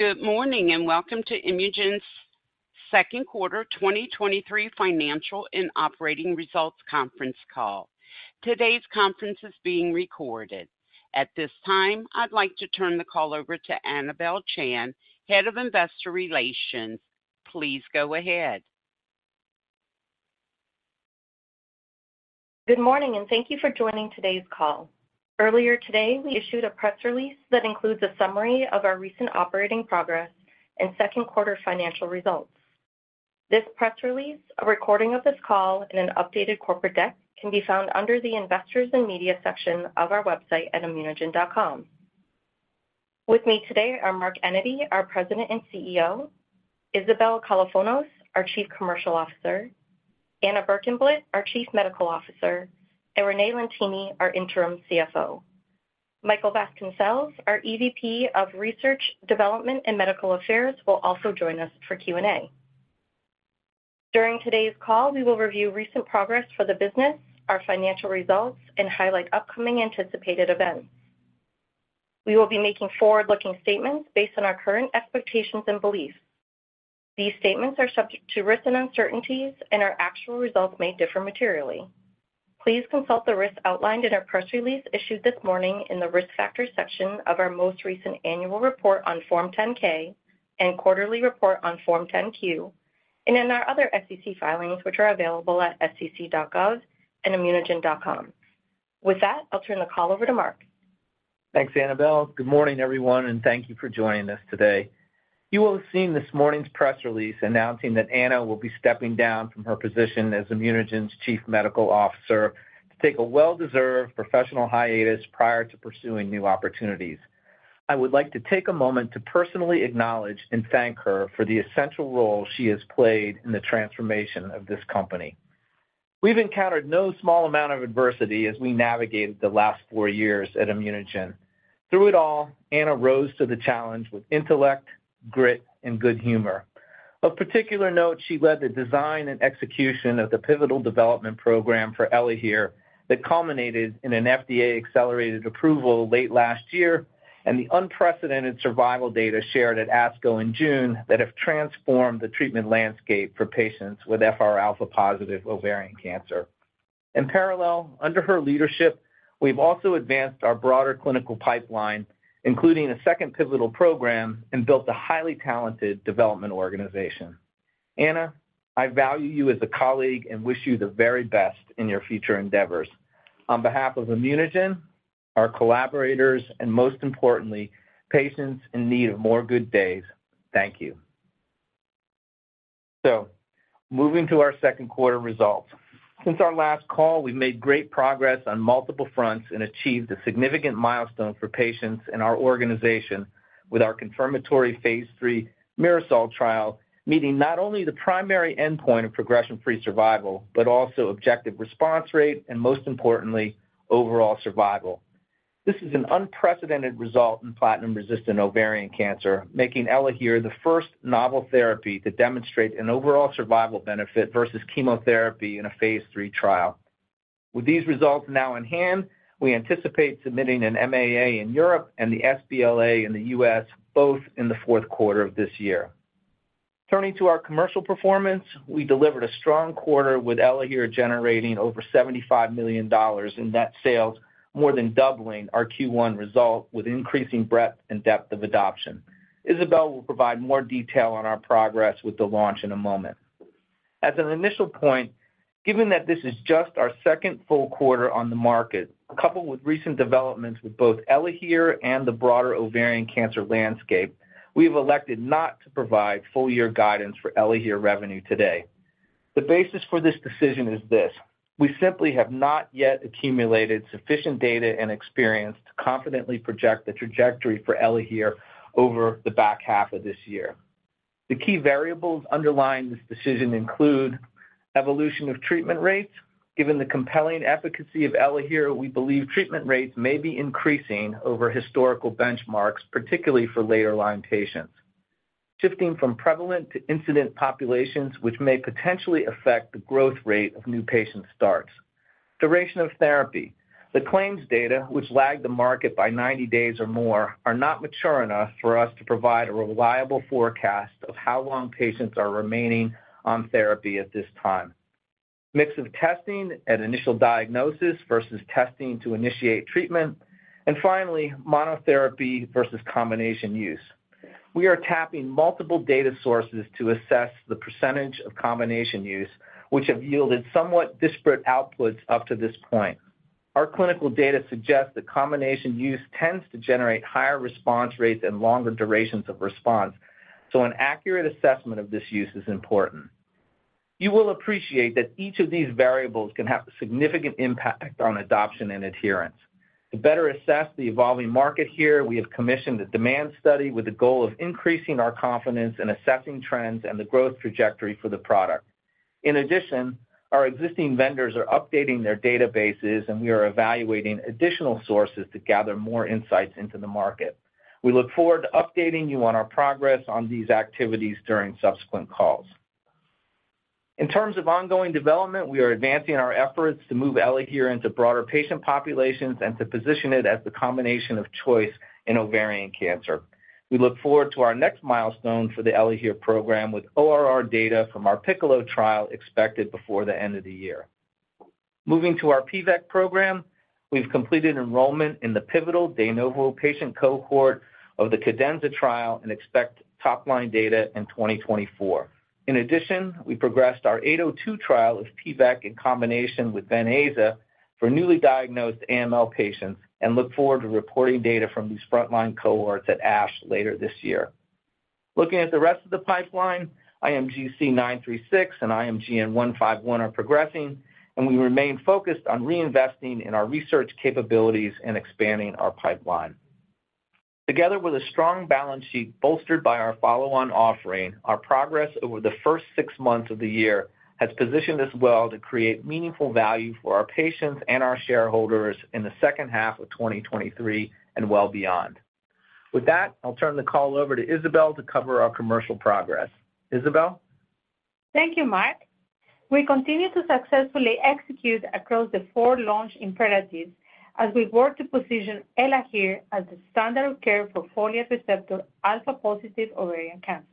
Good morning, welcome to ImmunoGen's second quarter 2023 financial and operating results conference call. Today's conference is being recorded. At this time, I'd like to turn the call over to Anabel Chan, Head of Investor Relations. Please go ahead. Good morning, and thank you for joining today's call. Earlier today, we issued a press release that includes a summary of our recent operating progress and second quarter financial results. This press release, a recording of this call, and an updated corporate deck can be found under the Investors and Media section of our website at immunogen.com. With me today are Mark Enyedy, our President and CEO; Isabel Kalofonos, our Chief Commercial Officer; Anna Berkenblit, our Chief Medical Officer; and Renee Lentini, our Interim CFO. Michael Vasconcelles, our EVP of Research, Development, and Medical Affairs, will also join us for Q&A. During today's call, we will review recent progress for the business, our financial results, and highlight upcoming anticipated events. We will be making forward-looking statements based on our current expectations and beliefs. These statements are subject to risks and uncertainties. Our actual results may differ materially. Please consult the risks outlined in our press release issued this morning in the Risk Factors section of our most recent annual report on Form 10-K and quarterly report on Form 10-Q, and in our other SEC filings, which are available at sec.gov and immunogen.com. With that, I'll turn the call over to Mark. Thanks, Anabel. Good morning, everyone, and thank you for joining us today. You will have seen this morning's press release announcing that Anna will be stepping down from her position as ImmunoGen's Chief Medical Officer to take a well-deserved professional hiatus prior to pursuing new opportunities. I would like to take a moment to personally acknowledge and thank her for the essential role she has played in the transformation of this company. We've encountered no small amount of adversity as we navigated the last four years at ImmunoGen. Through it all, Anna rose to the challenge with intellect, grit, and good humor. Of particular note, she led the design and execution of the pivotal development program for ELAHERE that culminated in an FDA accelerated approval late last year and the unprecedented survival data shared at ASCO in June that have transformed the treatment landscape for patients with FRα positive ovarian cancer. In parallel, under her leadership, we've also advanced our broader clinical pipeline, including a second pivotal program, and built a highly talented development organization. Anna, I value you as a colleague and wish you the very best in your future endeavors. On behalf of ImmunoGen, our collaborators, and most importantly, patients in need of more good days, thank you. Moving to our second quarter results. Since our last call, we've made great progress on multiple fronts and achieved a significant milestone for patients in our organization with our confirmatory phase III MIRASOL trial, meeting not only the primary endpoint of progression-free survival, but also objective response rate and, most importantly, overall survival. This is an unprecedented result in platinum-resistant ovarian cancer, making ELAHERE the first novel therapy to demonstrate an overall survival benefit versus chemotherapy in a phase III trial. With these results now in hand, we anticipate submitting an MAA in Europe and the sBLA in the US, both in the fourth quarter of this year. Turning to our commercial performance, we delivered a strong quarter with ELAHERE generating over $75 million in net sales, more than doubling our Q1 result, with increasing breadth and depth of adoption. Isabel will provide more detail on our progress with the launch in a moment. As an initial point, given that this is just our second full quarter on the market, coupled with recent developments with both ELAHERE and the broader ovarian cancer landscape, we've elected not to provide full year guidance for ELAHERE revenue today. The basis for this decision is this: We simply have not yet accumulated sufficient data and experience to confidently project the trajectory for ELAHERE over the back half of this year. The key variables underlying this decision include evolution of treatment rates. Given the compelling efficacy of ELAHERE, we believe treatment rates may be increasing over historical benchmarks, particularly for later-line patients. Shifting from prevalent to incident populations, which may potentially affect the growth rate of new patient starts. Duration of therapy. The claims data, which lagged the market by 90 days or more, are not mature enough for us to provide a reliable forecast of how long patients are remaining on therapy at this time. Mix of testing at initial diagnosis versus testing to initiate treatment. Finally, monotherapy versus combination use. We are tapping multiple data sources to assess the percentage of combination use, which have yielded somewhat disparate outputs up to this point. Our clinical data suggests that combination use tends to generate higher response rates and longer durations of response, so an accurate assessment of this use is important. You will appreciate that each of these variables can have a significant impact on adoption and adherence. To better assess the evolving market here, we have commissioned a demand study with the goal of increasing our confidence in assessing trends and the growth trajectory for the product. In addition, our existing vendors are updating their databases, and we are evaluating additional sources to gather more insights into the market. We look forward to updating you on our progress on these activities during subsequent calls. In terms of ongoing development, we are advancing our efforts to move ELAHERE into broader patient populations and to position it as the combination of choice in ovarian cancer. We look forward to our next milestone for the ELAHERE program, with ORR data from our PICCOLO trial expected before the end of the year. Moving to our PVEK program, we've completed enrollment in the pivotal de novo patient cohort of the CADENZA trial and expect top-line data in 2024. In addition, we progressed our 802 trial of PVEK in combination with Ven/Aza for newly diagnosed AML patients and look forward to reporting data from these frontline cohorts at ASH later this year. Looking at the rest of the pipeline, IMGC936 and IMGN151 are progressing, we remain focused on reinvesting in our research capabilities and expanding our pipeline. Together with a strong balance sheet bolstered by our follow-on offering, our progress over the first six months of the year has positioned us well to create meaningful value for our patients and our shareholders in the second half of 2023 and well beyond. With that, I'll turn the call over to Isabel to cover our commercial progress. Isabel? Thank you, Mark. We continue to successfully execute across the four launch imperatives as we work to position ELAHERE as the standard of care for folate receptor alpha-positive ovarian cancer.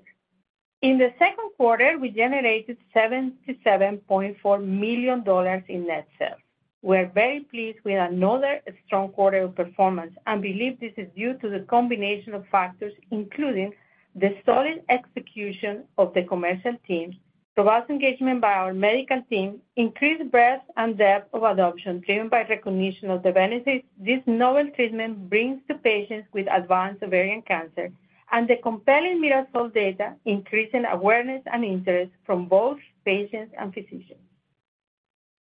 In the second quarter, we generated $77.4 million in net sales. We're very pleased with another strong quarter of performance and believe this is due to the combination of factors, including the solid execution of the commercial teams, robust engagement by our medical team, increased breadth and depth of adoption, driven by recognition of the benefits this novel treatment brings to patients with advanced ovarian cancer, and the compelling MIRASOL data, increasing awareness and interest from both patients and physicians.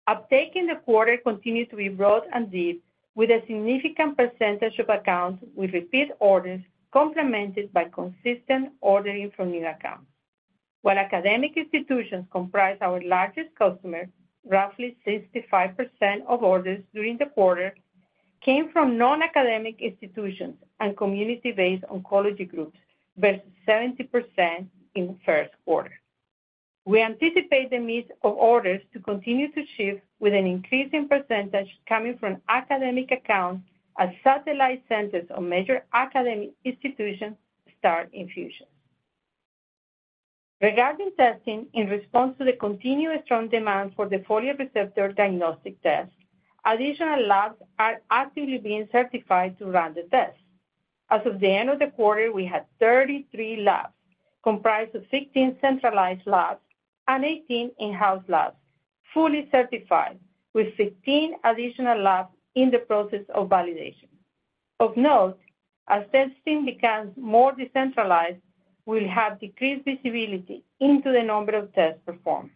Uptake in the quarter continued to be broad and deep, with a significant percentage of accounts with repeat orders, complemented by consistent ordering from new accounts. While academic institutions comprise our largest customer, roughly 65% of orders during the quarter came from non-academic institutions and community-based oncology groups, versus 70% in first quarter. We anticipate the mix of orders to continue to shift, with an increasing percentage coming from academic accounts as satellite centers of major academic institutions start infusion. Regarding testing, in response to the continued strong demand for the folate receptor diagnostic test, additional labs are actively being certified to run the test. As of the end of the quarter, we had 33 labs, comprised of 16 centralized labs and 18 in-house labs, fully certified, with 15 additional labs in the process of validation. Of note, as testing becomes more decentralized, we'll have decreased visibility into the number of tests performed.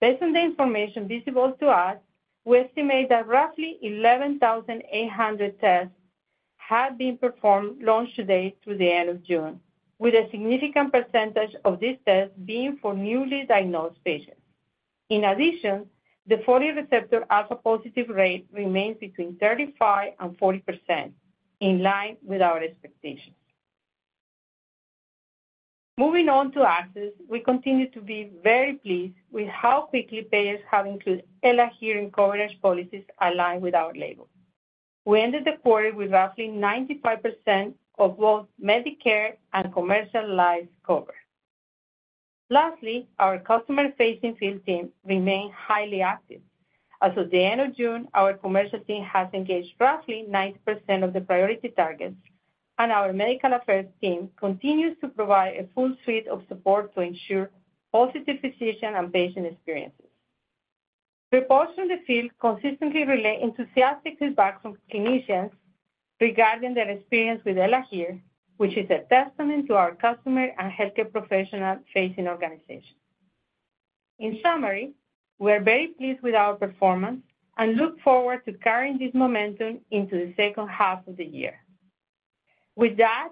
Based on the information visible to us, we estimate that roughly 11,800 tests have been performed launch to date through the end of June, with a significant percentage of these tests being for newly diagnosed patients. In addition, the folate receptor alpha positive rate remains between 35%-40%, in line with our expectations. Moving on to access, we continue to be very pleased with how quickly payers have included ELAHERE in coverage policies aligned with our label. We ended the quarter with roughly 95% of both Medicare and commercial lives covered. Lastly, our customer-facing field team remains highly active. As of the end of June, our commercial team has engaged roughly 90% of the priority targets, and our medical affairs team continues to provide a full suite of support to ensure positive physician and patient experiences. Reports from the field consistently relay enthusiastic feedback from clinicians regarding their experience with ELAHERE, which is a testament to our customer and healthcare professional-facing organization. In summary, we are very pleased with our performance and look forward to carrying this momentum into the second half of the year. With that,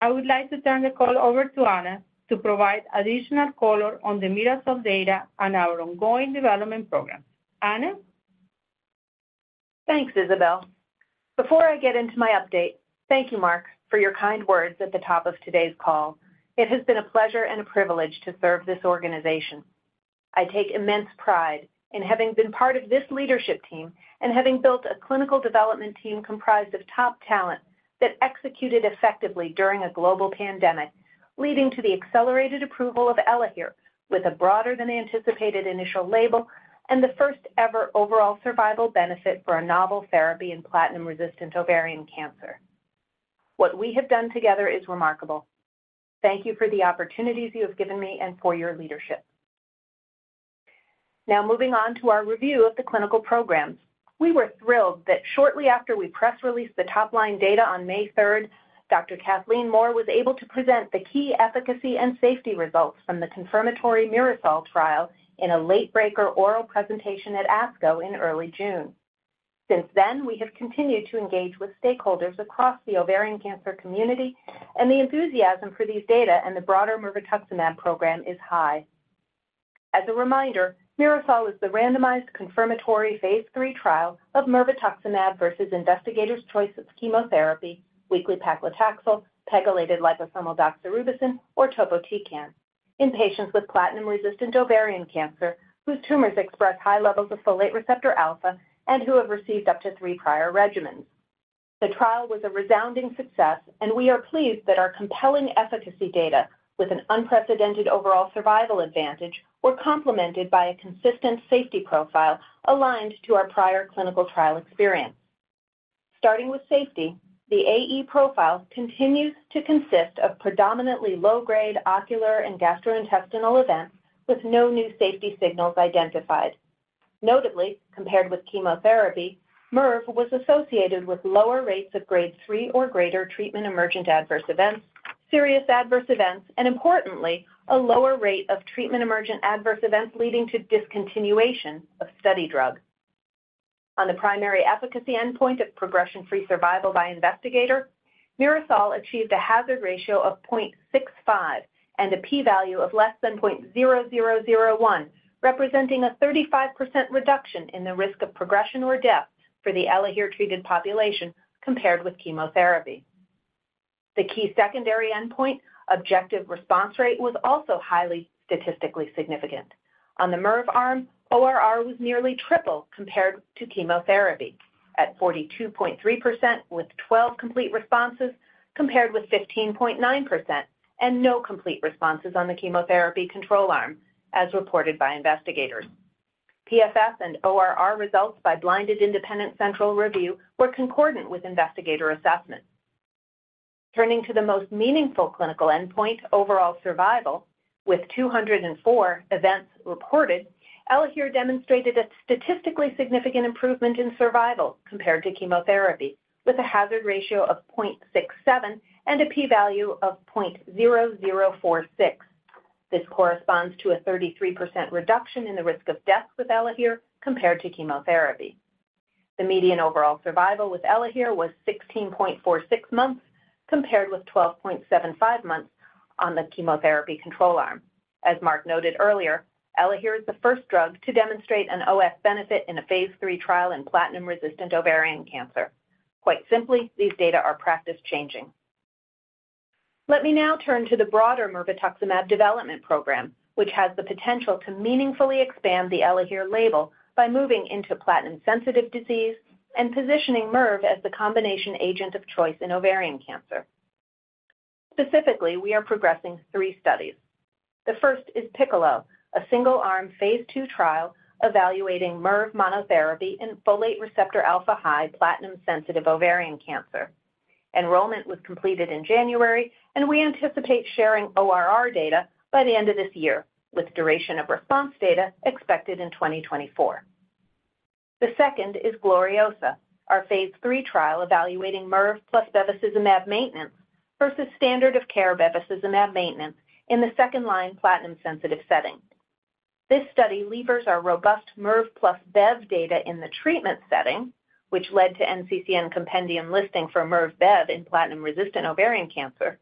I would like to turn the call over to Anna to provide additional color on the MIRASOL data and our ongoing development program. Anna? Thanks, Isabel. Before I get into my update, thank you, Mark, for your kind words at the top of today's call. It has been a pleasure and a privilege to serve this organization. I take immense pride in having been part of this leadership team and having built a clinical development team comprised of top talent that executed effectively during a global pandemic, leading to the accelerated approval of ELAHERE, with a broader than anticipated initial label and the first-ever overall survival benefit for a novel therapy in platinum-resistant ovarian cancer. What we have done together is remarkable. Thank you for the opportunities you have given me and for your leadership. Moving on to our review of the clinical programs. We were thrilled that shortly after we press-released the top-line data on May third, Dr. Kathleen Moore was able to present the key efficacy and safety results from the confirmatory MIRASOL trial in a late-breaker oral presentation at ASCO in early June. Since then, we have continued to engage with stakeholders across the ovarian cancer community, and the enthusiasm for these data and the broader mirvetuximab program is high. As a reminder, MIRASOL is the randomized confirmatory phase III trial of mirvetuximab versus investigator's choice of chemotherapy, weekly paclitaxel, pegylated liposomal doxorubicin, or topotecan, in patients with platinum-resistant ovarian cancer whose tumors express high levels of folate receptor alpha and who have received up to three prior regimens. The trial was a resounding success, and we are pleased that our compelling efficacy data, with an unprecedented overall survival advantage, were complemented by a consistent safety profile aligned to our prior clinical trial experience. Starting with safety, the AE profile continues to consist of predominantly low-grade ocular and gastrointestinal events, with no new safety signals identified. Notably, compared with chemotherapy, Mirv was associated with lower rates of grade 3 or greater treatment-emergent adverse events, serious adverse events, and importantly, a lower rate of treatment-emergent adverse events leading to discontinuation of study drug. On the primary efficacy endpoint of progression-free survival by investigator, MIRASOL achieved a hazard ratio of 0.65 and a p-value of less than 0.0001, representing a 35% reduction in the risk of progression or death for the ELAHERE-treated population compared with chemotherapy. The key secondary endpoint, objective response rate, was also highly statistically significant. On the Mirv arm, ORR was nearly triple compared to chemotherapy at 42.3%, with 12 complete responses, compared with 15.9% and no complete responses on the chemotherapy control arm, as reported by investigators. PFS and ORR results by blinded independent central review were concordant with investigator assessment. Turning to the most meaningful clinical endpoint, overall survival, with 204 events reported, ELAHERE demonstrated a statistically significant improvement in survival compared to chemotherapy, with a hazard ratio of 0.67 and a p-value of 0.0046. This corresponds to a 33% reduction in the risk of death with ELAHERE compared to chemotherapy. The median overall survival with ELAHERE was 16.46 months, compared with 12.75 months on the chemotherapy control arm. As Mark noted earlier, ELAHERE is the first drug to demonstrate an OS benefit in a phase III trial in platinum-resistant ovarian cancer. Quite simply, these data are practice-changing. Let me now turn to the broader mirvetuximab development program, which has the potential to meaningfully expand the ELAHERE label by moving into platinum-sensitive disease and positioning Mirv as the combination agent of choice in ovarian cancer. Specifically, we are progressing 3 studies. The first is PICCOLO, a single-arm, phase II trial evaluating Mirv monotherapy in folate receptor alpha-high, platinum-sensitive ovarian cancer. Enrollment was completed in January, we anticipate sharing ORR data by the end of this year, with duration of response data expected in 2024. The second is GLORIOSA, our phase III trial evaluating Mirv plus bevacizumab maintenance versus standard of care bevacizumab maintenance in the second-line platinum-sensitive setting. This study levers our robust Mirv plus bev data in the treatment setting, which led to NCCN Compendium listing for Mirv/bev in platinum-resistant ovarian cancer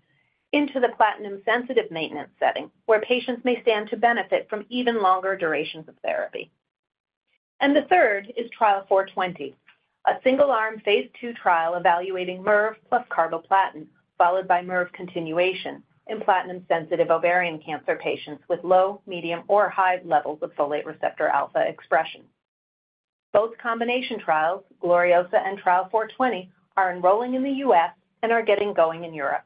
into the platinum-sensitive maintenance setting, where patients may stand to benefit from even longer durations of therapy. The third is Trial 420, a single-arm, phase II trial evaluating Mirv plus carboplatin, followed by Mirv continuation in platinum-sensitive ovarian cancer patients with low, medium, or high levels of folate receptor alpha expression. Both combination trials, GLORIOSA and Trial 420, are enrolling in the U.S. and are getting going in Europe.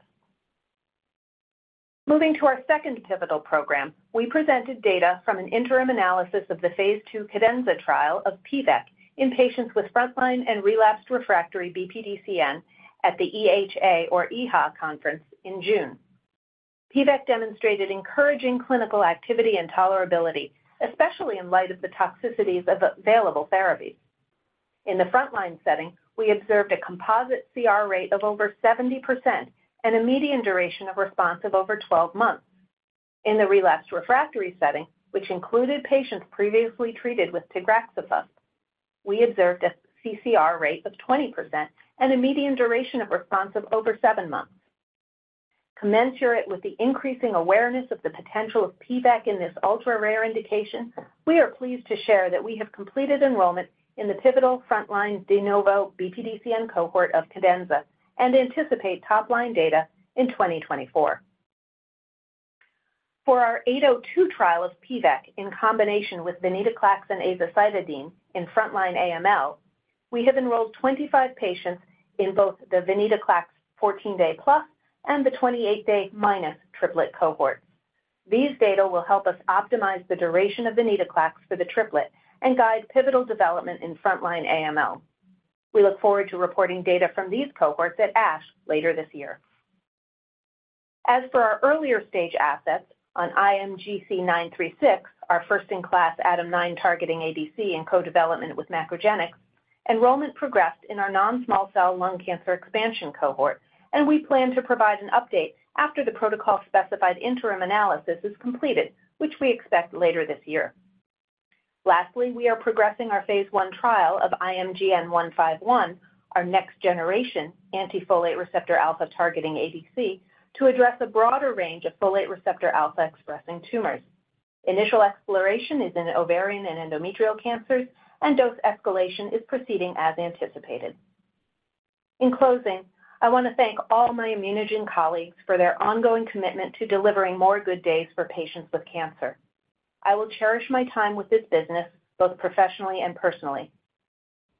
Moving to our second pivotal program, we presented data from an interim analysis of the phase II CADENZA trial of PVEK in patients with frontline and relapsed refractory BPDCN at the EHA conference in June. P-vec demonstrated encouraging clinical activity and tolerability, especially in light of the toxicities of available therapies. In the frontline setting, we observed a composite CR rate of over 70% and a median duration of response of over 12 months. In the relapsed refractory setting, which included patients previously treated with tagraxofusp, we observed a CCR rate of 20% and a median duration of response of over 7 months. Commensurate with the increasing awareness of the potential of PVEK in this ultra-rare indication, we are pleased to share that we have completed enrollment in the pivotal frontline de novo BPDCN cohort of CADENZA and anticipate top-line data in 2024. For our 802 trial of PVEK in combination with venetoclax and azacitidine in frontline AML, we have enrolled 25 patients in both the venetoclax 14-day plus and the 28-day minus triplet cohort. These data will help us optimize the duration of venetoclax for the triplet and guide pivotal development in frontline AML. We look forward to reporting data from these cohorts at ASH later this year. As for our earlier-stage assets on IMGC936, our first-in-class ADAM9-targeting ADC in co-development with MacroGenics, enrollment progressed in our non-small cell lung cancer expansion cohort. We plan to provide an update after the protocol-specified interim analysis is completed, which we expect later this year. ... lastly, we are progressing our phase I trial of IMGN-151, our next-generation anti-folate receptor alpha-targeting ADC, to address a broader range of folate receptor alpha-expressing tumors. Initial exploration is in ovarian and endometrial cancers, and dose escalation is proceeding as anticipated. In closing, I want to thank all my ImmunoGen colleagues for their ongoing commitment to delivering more good days for patients with cancer. I will cherish my time with this business, both professionally and personally.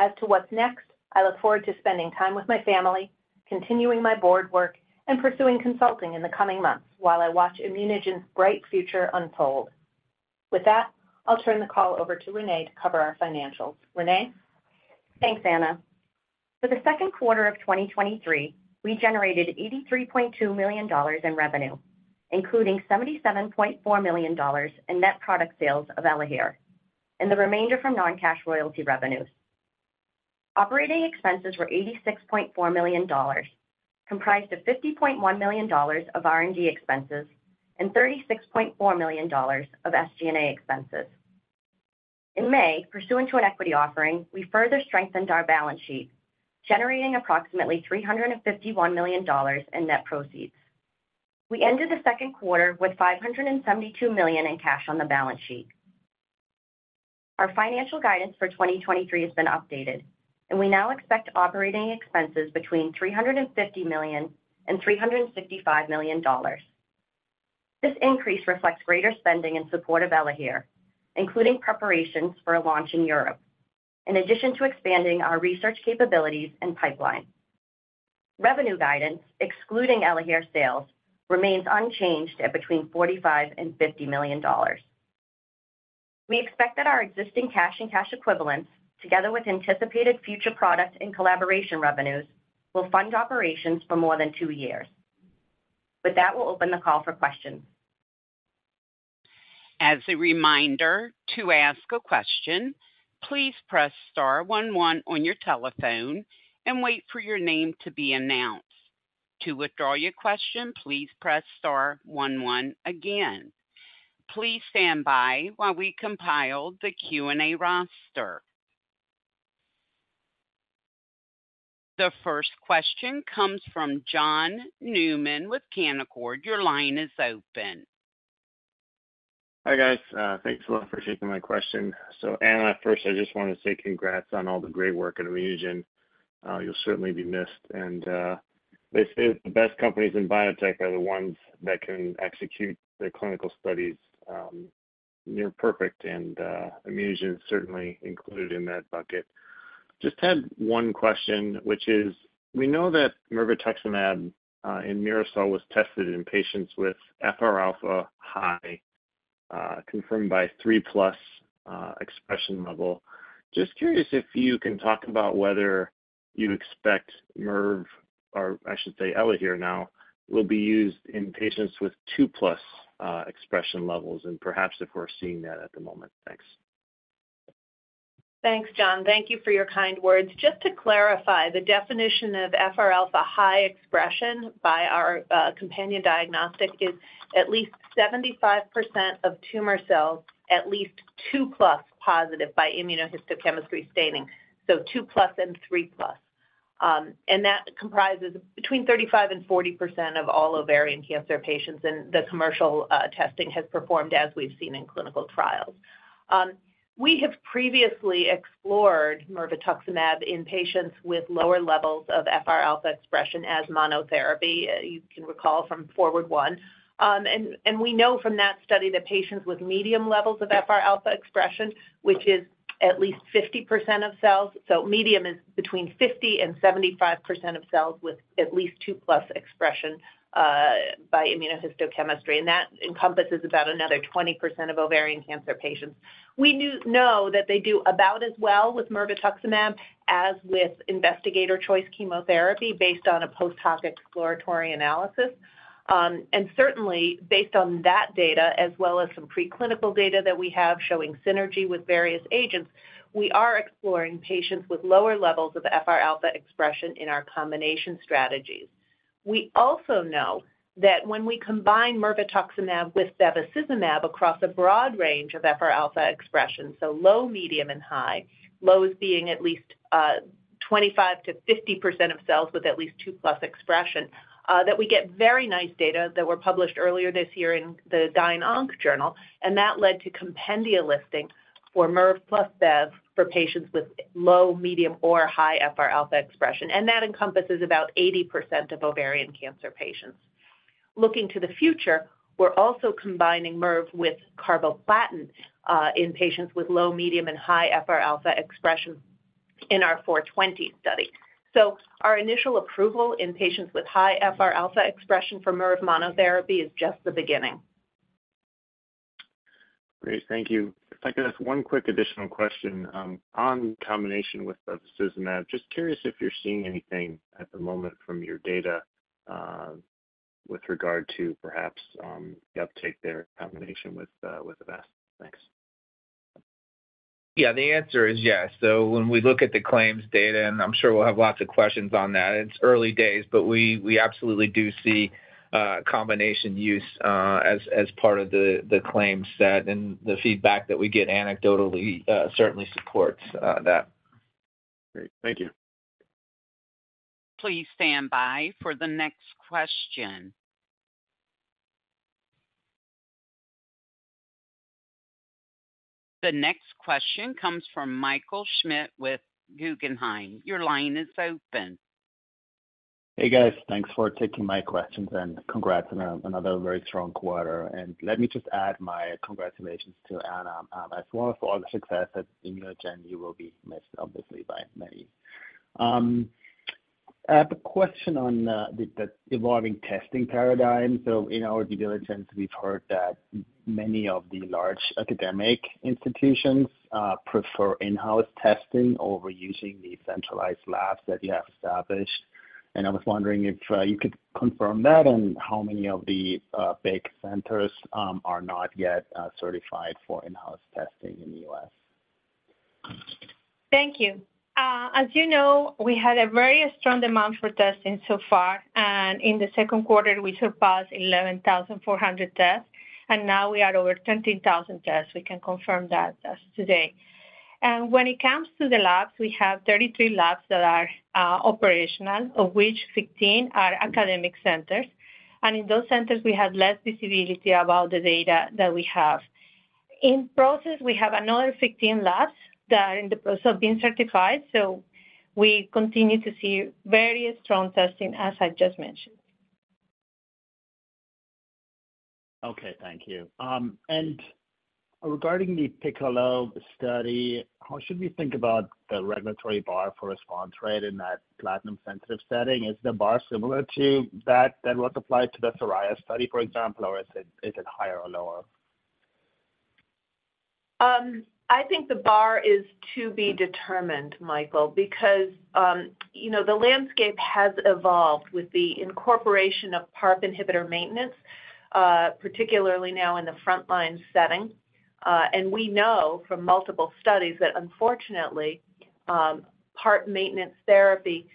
As to what's next, I look forward to spending time with my family, continuing my board work, and pursuing consulting in the coming months while I watch ImmunoGen's bright future unfold. With that, I'll turn the call over to Renee to cover our financials. Renee? Thanks, Anna. For the second quarter of 2023, we generated $83.2 million in revenue, including $77.4 million in net product sales of ELAHERE, and the remainder from non-cash royalty revenues. Operating expenses were $86.4 million, comprised of $50.1 million of R&D expenses and $36.4 million of SG&A expenses. In May, pursuant to an equity offering, we further strengthened our balance sheet, generating approximately $351 million in net proceeds. We ended the second quarter with $572 million in cash on the balance sheet. Our financial guidance for 2023 has been updated, and we now expect operating expenses between $350 million and $365 million. This increase reflects greater spending in support of ELAHERE, including preparations for a launch in Europe, in addition to expanding our research capabilities and pipeline. Revenue guidance, excluding ELAHERE sales, remains unchanged at between $45 million and $50 million. We expect that our existing cash and cash equivalents, together with anticipated future product and collaboration revenues, will fund operations for more than 2 years. With that, we'll open the call for questions. As a reminder, to ask a question, please press star 11 on your telephone and wait for your name to be announced. To withdraw your question, please press star 11 again. Please stand by while we compile the Q&A roster. The first question comes from John Newman with Canaccord. Your line is open. Hi, guys. Thanks a lot for taking my question. Anna, first, I just want to say congrats on all the great work at ImmunoGen. You'll certainly be missed, and they say the best companies in biotech are the ones that can execute their clinical studies near perfect, and ImmunoGen is certainly included in that bucket. Just had one question, which is, we know that mirvetuximab in MIRASOL was tested in patients with FRα high, confirmed by 3 plus expression level. Just curious if you can talk about whether you expect Mirv, or I should say ELAHERE now, will be used in patients with 2 plus expression levels, and perhaps if we're seeing that at the moment. Thanks. Thanks, John. Thank you for your kind words. Just to clarify, the definition of FRα high expression by our companion diagnostic is at least 75% of tumor cells, at least 2+ positive by immunohistochemistry staining, so 2+ and 3+. That comprises between 35%-40% of all ovarian cancer patients, and the commercial testing has performed as we've seen in clinical trials. We have previously explored mirvetuximab in patients with lower levels of FRα expression as monotherapy, you can recall from FORWARD I. We know from that study that patients with medium levels of FRα expression, which is at least 50% of cells, so medium is between 50%-75% of cells with at least 2+ expression by immunohistochemistry, and that encompasses about another 20% of ovarian cancer patients. We knew-- know that they do about as well with mirvetuximab as with investigator choice chemotherapy based on a post-hoc exploratory analysis. Certainly, based on that data, as well as some preclinical data that we have showing synergy with various agents, we are exploring patients with lower levels of FR alpha expression in our combination strategies. We also know that when we combine mirvetuximab with bevacizumab across a broad range of FR alpha expression, so low, medium, and high, low as being at least 25%-50% of cells with at least two plus expression, that we get very nice data that were published earlier this year in the Gynecologic Oncology journal, and that led to compendia listing for mirv plus bev for patients with low, medium, or high FR alpha expression, and that encompasses about 80% of ovarian cancer patients. Looking to the future, we're also combining Mirv with carboplatin, in patients with low, medium, and high FRα expression in our 420 study. Our initial approval in patients with high FRα expression for Mirv monotherapy is just the beginning. Great. Thank you. If I could ask one quick additional question, on combination with bevacizumab, just curious if you're seeing anything at the moment from your data, with regard to perhaps, the uptake there in combination with, with Avastin. Thanks. ... Yeah, the answer is yes. When we look at the claims data, and I'm sure we'll have lots of questions on that, it's early days, but we, we absolutely do see combination use as part of the claim set and the feedback that we get anecdotally, certainly supports that. Great. Thank you. Please stand by for the next question. The next question comes from Michael Schmidt with Guggenheim. Your line is open. Hey, guys. Thanks for taking my questions. Congrats on another very strong quarter. Let me just add my congratulations to Anna as well for all the success that's in your agenda, you will be missed, obviously, by many. I have a question on the evolving testing paradigm. In our due diligence, we've heard that many of the large academic institutions prefer in-house testing over using the centralized labs that you have established. I was wondering if you could confirm that and how many of the big centers are not yet certified for in-house testing in the US? Thank you. As you know, we had a very strong demand for testing so far, and in the second quarter, we surpassed 11,400 tests, and now we are over 20,000 tests. We can confirm that as today. When it comes to the labs, we have 33 labs that are operational, of which 15 are academic centers. In those centers, we have less visibility about the data that we have. In process, we have another 15 labs that are in the process of being certified, so we continue to see very strong testing, as I just mentioned. Okay, thank you. Regarding the PICCOLO study, how should we think about the regulatory bar for response rate in that platinum-sensitive setting? Is the bar similar to that, that was applied to the study, for example, or is it, is it higher or lower? I think the bar is to be determined, Michael, because, you know, the landscape has evolved with the incorporation of PARP inhibitor maintenance, particularly now in the frontline setting. And we know from multiple studies that unfortunately, PARP maintenance therapy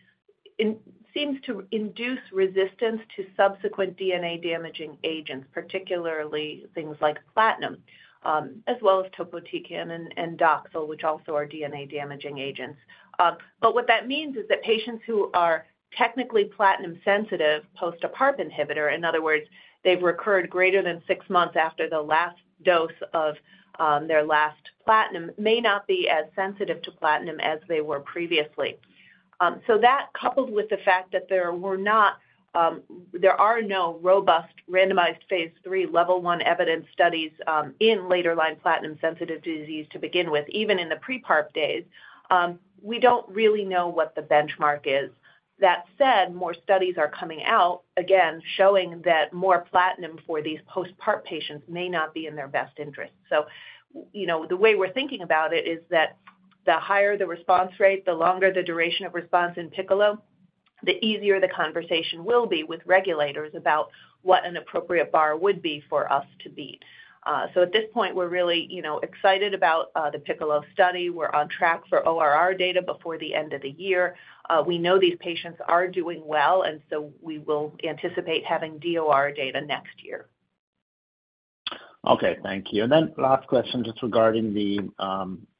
seems to induce resistance to subsequent DNA-damaging agents, particularly things like platinum, as well as topotecan and Doxil, which also are DNA-damaging agents. But what that means is that patients who are technically platinum sensitive post a PARP inhibitor, in other words, they've recurred greater than 6 months after the last dose of their last platinum, may not be as sensitive to platinum as they were previously. That, coupled with the fact that there were not, there are no robust randomized phase III level 1 evidence studies, in later-line platinum-sensitive disease to begin with, even in the pre-PARP days, we don't really know what the benchmark is. That said, more studies are coming out, again, showing that more platinum for these post-PARP patients may not be in their best interest. You know, the way we're thinking about it is that the higher the response rate, the longer the duration of response in PICCOLO, the easier the conversation will be with regulators about what an appropriate bar would be for us to beat. At this point, we're really, you know, excited about the PICCOLO study. We're on track for ORR data before the end of the year. We know these patients are doing well, and so we will anticipate having DOR data next year. Okay, thank you. Then last question, just regarding the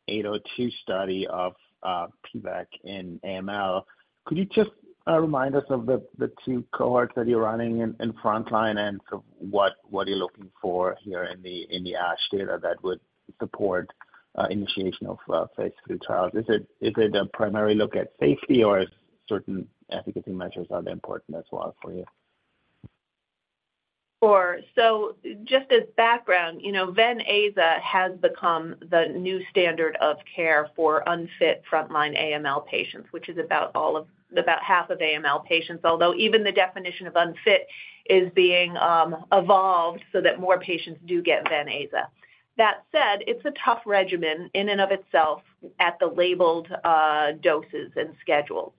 802 study of PVEK in AML. Could you just remind us of the 2 cohorts that you're running in, in frontline, so what, what are you looking for here in the ASH data that would support initiation of phase III trials? Is it, is it a primary look at safety, or certain efficacy measures are important as well for you? Sure. Just as background, you know, Venaza has become the new standard of care for unfit frontline AML patients, which is about half of AML patients, although even the definition of unfit is being evolved so that more patients do get Venaza. That said, it's a tough regimen in and of itself at the labeled doses and schedules.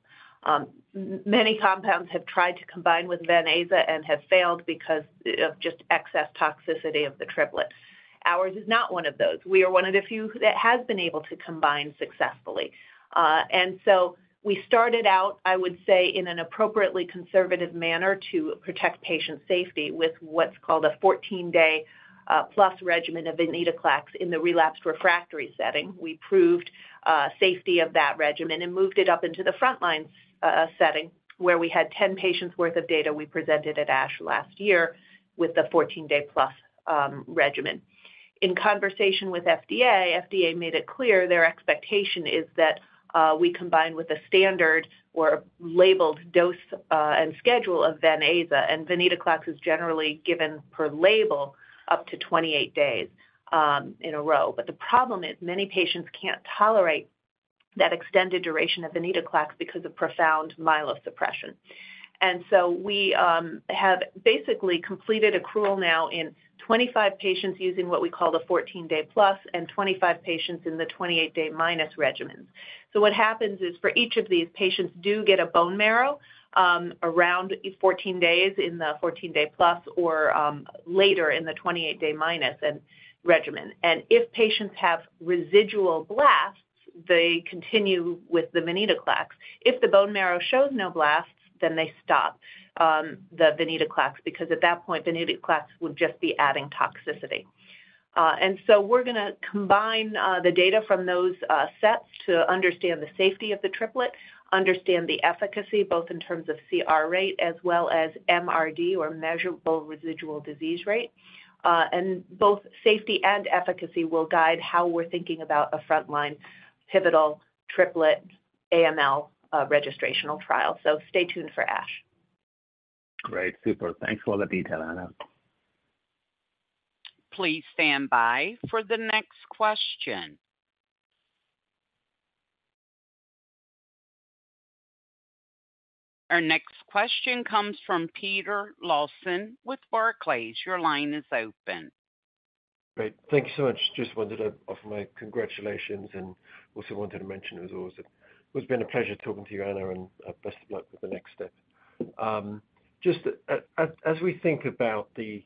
Many compounds have tried to combine with Venaza and have failed because of just excess toxicity of the triplet. Ours is not one of those. We are one of the few that has been able to combine successfully. We started out, I would say, in an appropriately conservative manner to protect patient safety with what's called a 14-day plus regimen of venetoclax in the relapsed refractory setting. We proved safety of that regimen and moved it up into the frontline setting, where we had 10 patients worth of data we presented at ASH last year with the 14-day plus regimen. In conversation with FDA, FDA made it clear their expectation is that we combine with a standard or labeled dose and schedule of Venaza, and venetoclax is generally given per label up to 28 days in a row. The problem is many patients can't tolerate that extended duration of venetoclax because of profound myelosuppression. So we have basically completed accrual now in 25 patients using what we call the 14-day plus and 25 patients in the 28-day minus regimens. What happens is, for each of these patients do get a bone marrow, around 14 days in the 14-day plus or later in the 28-day minus regimen. If patients have residual blasts, they continue with the venetoclax. If the bone marrow shows no blasts, then they stop the venetoclax, because at that point, venetoclax would just be adding toxicity. We're going to combine the data from those sets to understand the safety of the triplet, understand the efficacy, both in terms of CR rate as well as MRD or measurable residual disease rate. Both safety and efficacy will guide how we're thinking about a frontline pivotal triplet AML registrational trial. Stay tuned for ASH. Great. Super. Thanks for all the detail, Anna. Please stand by for the next question. Our next question comes from Peter Lawson with Barclays. Your line is open. Great. Thank you so much. Just wanted to offer my congratulations. Also wanted to mention it was always, it's been a pleasure talking to you, Anna, and best of luck with the next step. Just as we think about the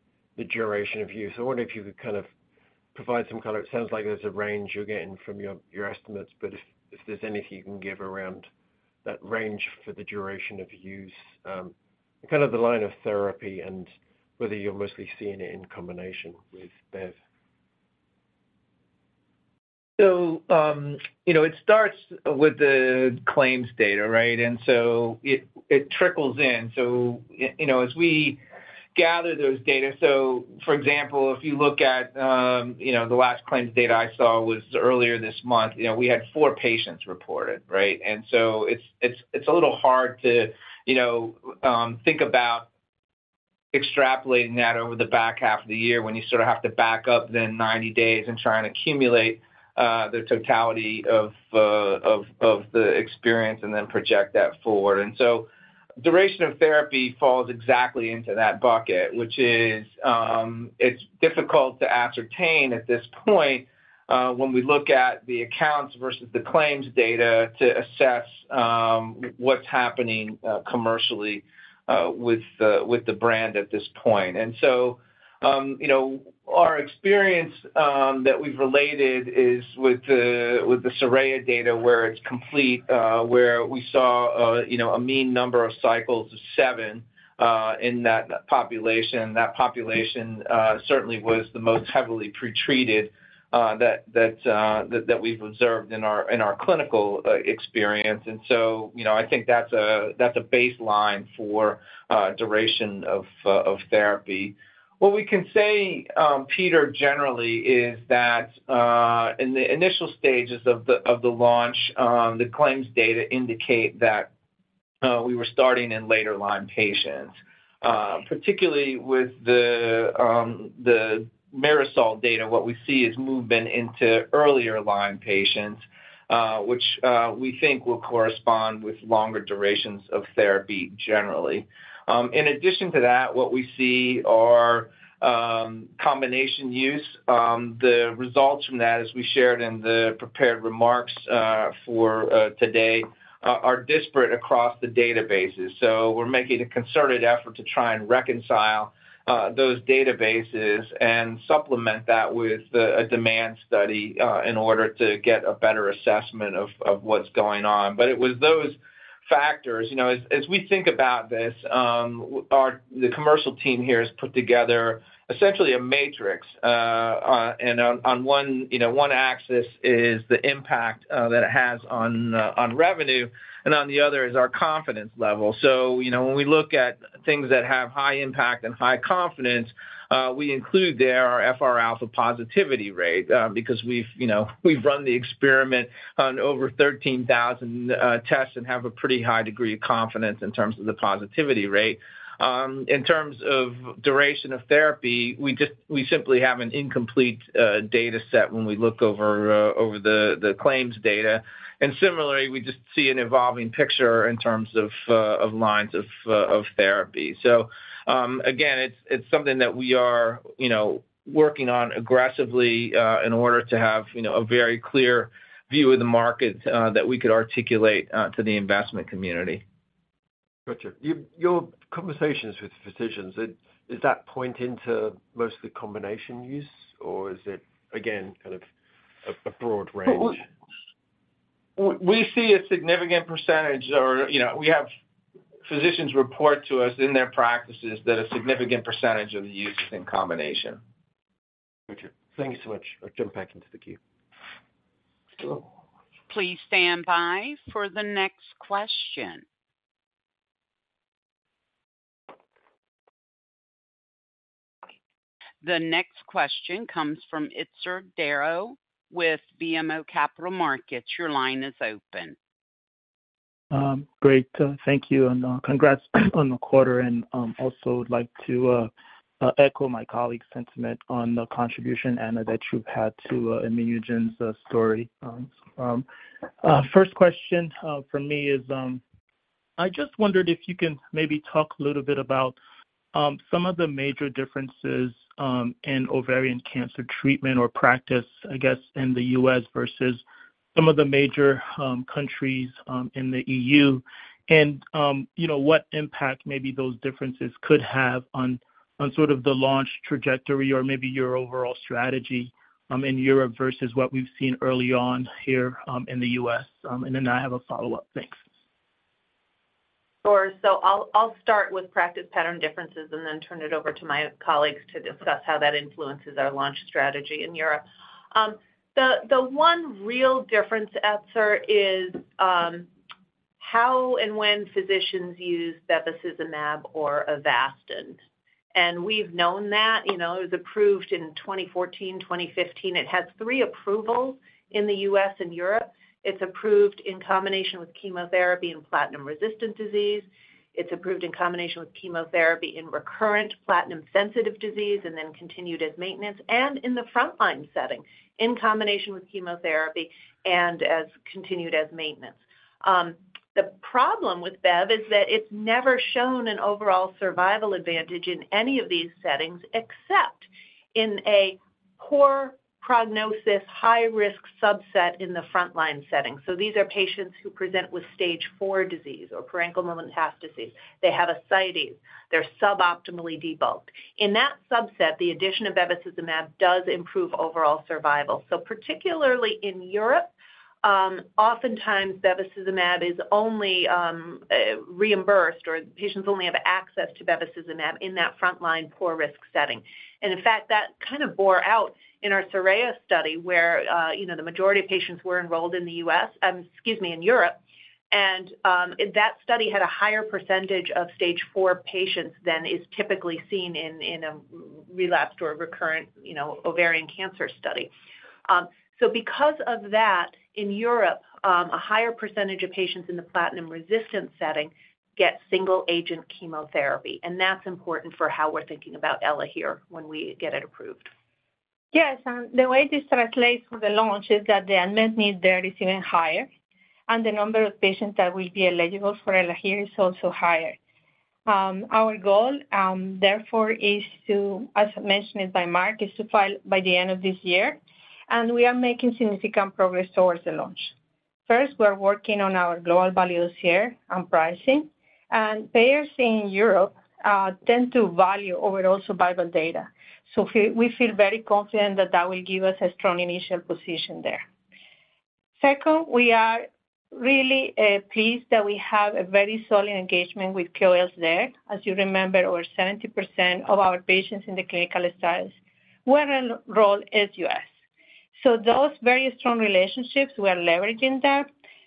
duration of use, I wonder if you could kind of provide some color. It sounds like there's a range you're getting from your, your estimates, if there's anything you can give around that range for the duration of use, kind of the line of therapy and whether you're mostly seeing it in combination with Bev. You know, it starts with the claims data, right? It, it trickles in. Y-you know, as we gather those data, so for example, if you look at, you know, the last claims data I saw was earlier this month, you know, we had 4 patients reported, right? It's, it's, it's a little hard to, you know, think about extrapolating that over the back half of the year, when you sort of have to back up then 90 days and try and accumulate the totality of, of, of the experience and then project that forward. Duration of therapy falls exactly into that bucket, which is, it's difficult to ascertain at this point, when we look at the accounts versus the claims data to assess what's happening commercially with the brand at this point. You know, our experience that we've related is with the SORAYA data, where it's complete, where we saw, you know, a mean number of cycles of 7 in that population. That population certainly was the most heavily pretreated that, that, that we've observed in our, in our clinical experience. You know, I think that's a, that's a baseline for duration of therapy. What we can say, Peter, generally, is that in the initial stages of the launch, the claims data indicate that we were starting in later-line patients. Particularly with the MIRASOL data, what we see is movement into earlier line patients, which we think will correspond with longer durations of therapy generally. In addition to that, what we see are combination use. The results from that, as we shared in the prepared remarks for today, are disparate across the databases. We're making a concerted effort to try and reconcile those databases and supplement that with a demand study in order to get a better assessment of what's going on. It was those factors, you know, as we think about this, our... The commercial team here has put together essentially a matrix. On, on one, you know, one axis is the impact that it has on revenue, and on the other is our confidence level. You know, when we look at things that have high impact and high confidence, we include their FRα positivity rate, because we've, you know, we've run the experiment on over 13,000 tests and have a pretty high degree of confidence in terms of the positivity rate. In terms of duration of therapy, we simply have an incomplete data set when we look over the claims data. Similarly, we just see an evolving picture in terms of lines of therapy. Again, it's, it's something that we are, you know, working on aggressively, in order to have, you know, a very clear view of the market, that we could articulate, to the investment community. Gotcha. Your, your conversations with physicians, is, is that pointing to mostly combination use, or is it, again, kind of a, a broad range? We see a significant % or, you know, we have physicians report to us in their practices that a significant % of the use is in combination. Gotcha. Thank you so much. I'll jump back into the queue. Please stand by for the next question. The next question comes from Etzer Darout with BMO Capital Markets. Your line is open. Great, thank you, and congrats on the quarter, and also would like to echo my colleague's sentiment on the contribution, Anna, that you've had to ImmunoGen's story. First question from me is, I just wondered if you can maybe talk a little bit about some of the major differences in ovarian cancer treatment or practice, I guess, in the US versus some of the major countries in the EU. You know, what impact maybe those differences could have on, on sort of the launch trajectory or maybe your overall strategy in Europe versus what we've seen early on here in the US. Then I have a follow-up. Thanks. Sure. I'll, I'll start with practice pattern differences and then turn it over to my colleagues to discuss how that influences our launch strategy in Europe. The, the one real difference, Etzer, is how and when physicians use bevacizumab or Avastin. We've known that, you know, it was approved in 2014-2015. It has 3 approvals in the US and Europe. It's approved in combination with chemotherapy and platinum-resistant disease. It's approved in combination with chemotherapy in recurrent platinum-sensitive disease and then continued as maintenance and in the frontline setting, in combination with chemotherapy and as continued as maintenance. The problem with Bev is that it's never shown an overall survival advantage in any of these settings, except in a poor prognosis, high-risk subset in the frontline setting. These are patients who present with stage 4 disease or peritoneal metastasis. They have ascites, they're suboptimally debulked. In that subset, the addition of bevacizumab does improve overall survival. Particularly in Europe, oftentimes bevacizumab is only reimbursed, or patients only have access to bevacizumab in that frontline poor risk setting. In fact, that kind of bore out in our SORAYA study, where, you know, the majority of patients were enrolled in the US, excuse me, in Europe. That study had a higher % of stage 4 patients than is typically seen in, in a relapsed or recurrent, you know, ovarian cancer study. Because of that, in Europe, a higher % of patients in the platinum-resistant setting get single-agent chemotherapy, and that's important for how we're thinking about ELAHERE when we get it approved. The way this translates to the launch is that the unmet need there is even higher, and the number of patients that will be eligible for ELAHERE is also higher. Our goal, therefore, is to, as mentioned by Mark, is to file by the end of this year, and we are making significant progress towards the launch. First, we're working on our global values here on pricing, and payers in Europe tend to value overall survival data. We, we feel very confident that that will give us a strong initial position there. Second, we are really pleased that we have a very solid engagement with KOL there. As you remember, over 70% of our patients in the clinical studies were enrolled as U.S. Those very strong relationships, we are leveraging that.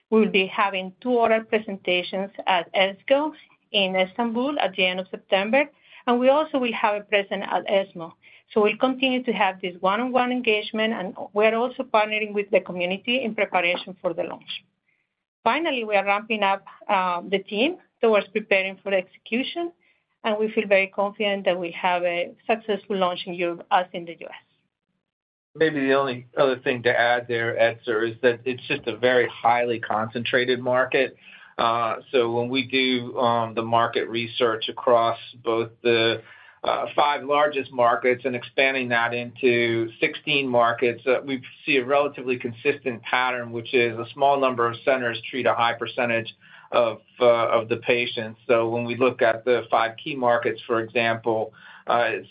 We'll be having 2 other presentations at ESGO in Istanbul at the end of September. We also will have a present at ESMO. We continue to have this one-on-one engagement. We're also partnering with the community in preparation for the launch. Finally, we are ramping up the team towards preparing for the execution. We feel very confident that we have a successful launch in Europe as in the U.S. Maybe the only other thing to add there, Etzer, is that it's just a very highly concentrated market. When we do the market research across both the 5 largest markets and expanding that into 16 markets, we see a relatively consistent pattern, which is a small number of centers treat a high % of the patients. When we look at the 5 key markets, for example,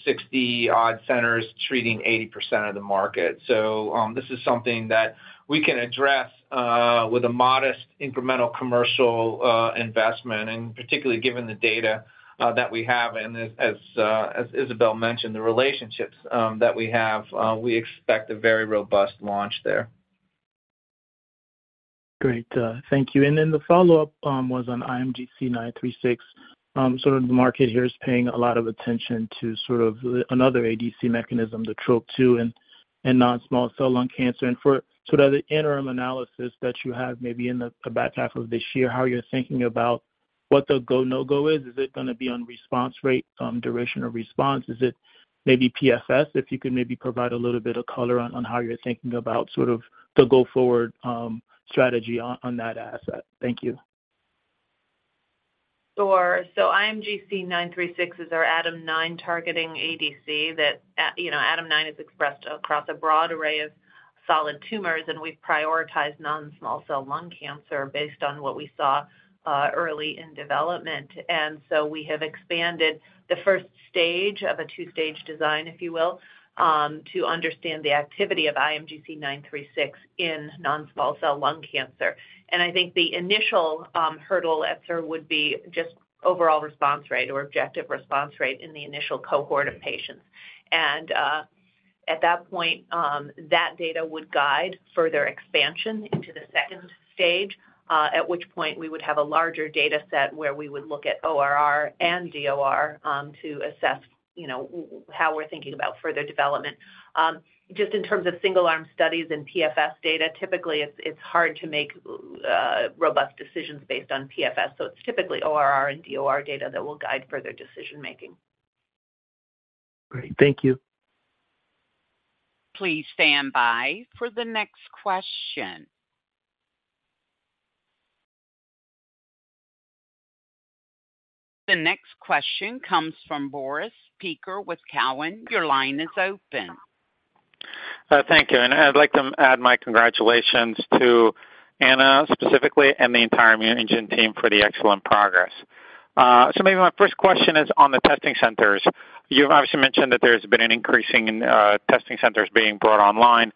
60 odd centers treating 80% of the market. This is something that we can address with a modest incremental commercial investment, and particularly given the data that we have and as, as Isabel mentioned, the relationships that we have, we expect a very robust launch there. Great, thank you. Then the follow-up was on IMGC936. The market here is paying a lot of attention to sort of another ADC mechanism, the TROP-2, and, and non-small cell lung cancer. For sort of the interim analysis that you have maybe in the back half of this year, how you're thinking about what the go, no-go is? Is it gonna be on response rate, duration of response? Is it maybe PFS? If you could maybe provide a little bit of color on, on how you're thinking about sort of the go-forward strategy on, on that asset. Thank you. Sure. IMGC936 is our ADAM9 targeting ADC, that you know, ADAM9 is expressed across a broad array of solid tumors, and we've prioritized non-small cell lung cancer based on what we saw early in development. So we have expanded the first stage of a 2-stage design, if you will, to understand the activity of IMGC936 in non-small cell lung cancer. I think the initial hurdle, Etzer, would be just overall response rate or objective response rate in the initial cohort of patients. At that point, that data would guide further expansion into the second stage, at which point we would have a larger data set where we would look at ORR and DOR to assess, you know, how we're thinking about further development. Just in terms of single-arm studies and PFS data, typically, it's, it's hard to make robust decisions based on PFS, so it's typically ORR and DOR data that will guide further decision making. Great. Thank you. Please stand by for the next question. The next question comes from Boris Peaker with Cowen. Your line is open. Thank you. I'd like to add my congratulations to Anna, specifically, and the entire management team for the excellent progress. Maybe my first question is on the testing centers. You've obviously mentioned that there's been an increase in testing centers being brought online.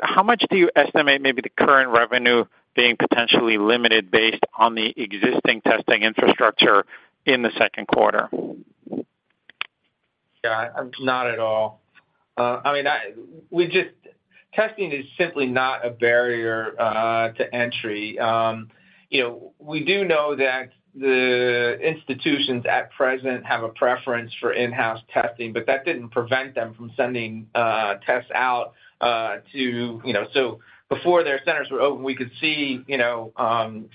How much do you estimate maybe the current revenue being potentially limited based on the existing testing infrastructure in the second quarter? Yeah, not at all. I mean, I, we just- testing is simply not a barrier to entry. You know, we do know that the institutions at present have a preference for in-house testing, but that didn't prevent them from sending tests out to, you know. So before their centers were open, we could see, you know,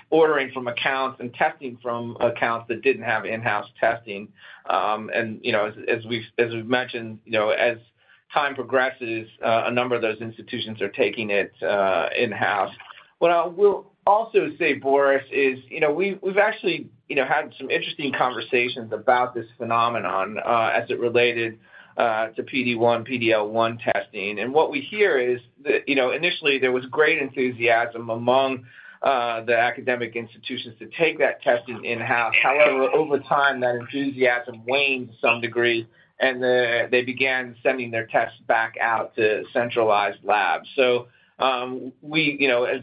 ordering from accounts and testing from accounts that didn't have in-house testing. And, you know, as, as we've, as we've mentioned, you know, as time progresses, a number of those institutions are taking it in-house. What I will also say, Boris, is, you know, we've, we've actually, you know, had some interesting conversations about this phenomenon as it related to PD-1, PD-L1 testing. What we hear is that, you know, initially there was great enthusiasm among the academic institutions to take that testing in-house. However, over time, that enthusiasm waned to some degree, and then they began sending their tests back out to centralized labs. We, you know, as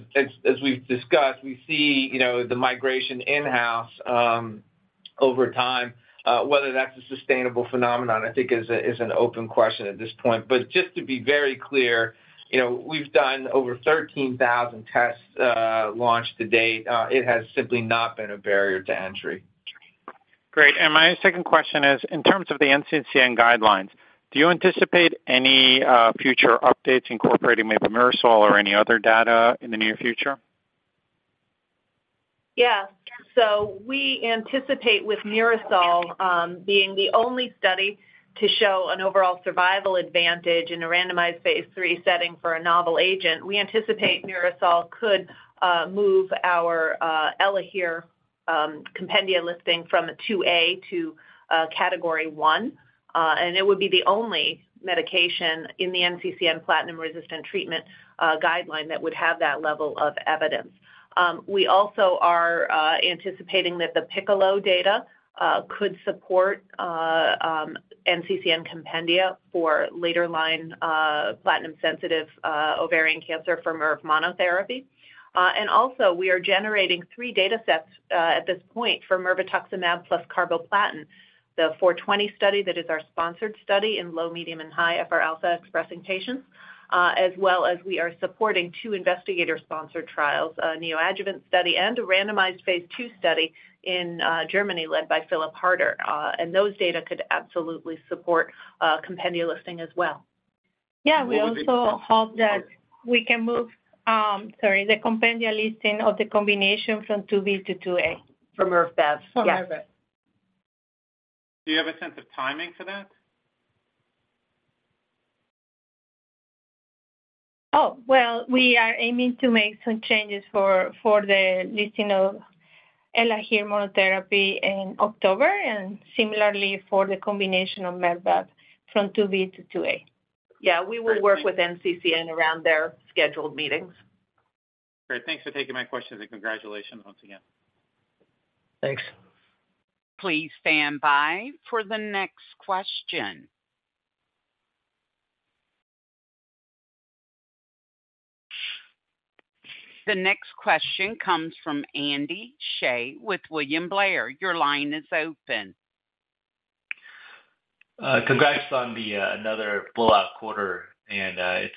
we've discussed, we see, you know, the migration in-house over time. Whether that's a sustainable phenomenon, I think is an open question at this point. Just to be very clear, you know, we've done over 13,000 tests launched to date. It has simply not been a barrier to entry. Great. My second question is, in terms of the NCCN guidelines, do you anticipate any future updates incorporating maybe MIRASOL or any other data in the near future? Yeah. We anticipate with MIRASOL, being the only study to show an overall survival advantage in a randomized phase III setting for a novel agent, we anticipate MIRASOL could move our ELAHERE compendia listing from a 2A to a category 1. It would be the only medication in the NCCN platinum-resistant treatment guideline that would have that level of evidence. We also are anticipating that the PICCOLO data could support NCCN compendia for later-line platinum-sensitive ovarian cancer for Mirv monotherapy. Also, we are generating 3 datasets at this point for mirvetuximab plus carboplatin. The 420 study, that is our sponsored study in low, medium, and high FRα-expressing patients, as well as we are supporting two investigator-sponsored trials, a neoadjuvant study and a randomized phase II study in Germany, led by Philipp Harter. Those data could absolutely support a compendia listing as well. Yeah, we also hope that we can move, sorry, the compendia listing of the combination from 2B to 2A. For Mirv, yes. For Mirv. Do you have a sense of timing for that? Oh, well, we are aiming to make some changes for, for the listing of ELAHERE monotherapy in October, and similarly for the combination of Mirv from 2B to 2A. Yeah, we will work with NCCN around their scheduled meetings. Great. Thanks for taking my questions, and congratulations once again. Thanks. Please stand by for the next question. The next question comes from Andy Hsieh with William Blair. Your line is open. Congrats on the another blowout quarter, it's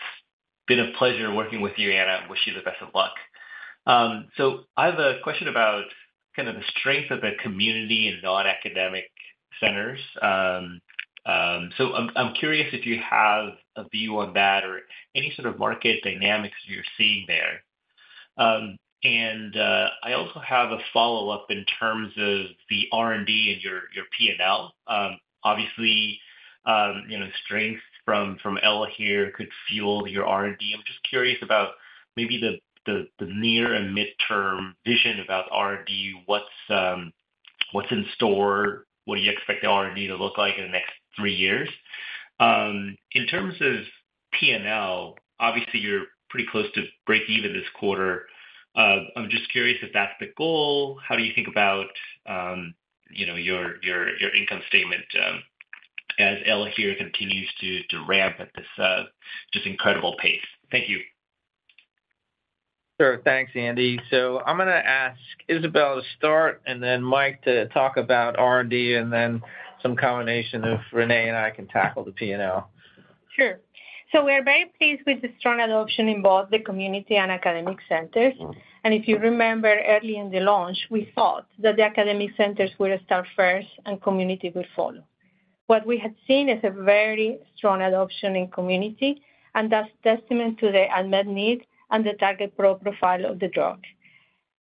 been a pleasure working with you, Anna. I wish you the best of luck. I have a question about kind of the strength of the community and non-academic centers. I'm curious if you have a view on that or any sort of market dynamics you're seeing there. I also have a follow-up in terms of the R&D and your P&L. Obviously, you know, strength from ELAHERE could fuel your R&D. I'm just curious about maybe the near and midterm vision about R&D, what's in store? What do you expect the R&D to look like in the next 3 years? In terms of P&L, obviously, you're pretty close to breakeven this quarter. I'm just curious if that's the goal. How do you think about, you know, your, your, your income statement, as ELAHERE continues to, to ramp at this, just incredible pace? Thank you. Sure. Thanks, Andy. I'm going to ask Isabel to start, and then Mike to talk about R&D, and then some combination of Renee and I can tackle the P&L. Sure. We are very pleased with the strong adoption in both the community and academic centers. If you remember, early in the launch, we thought that the academic centers would start first and community would follow. What we have seen is a very strong adoption in community, and that's testament to the unmet need and the target profile of the drug.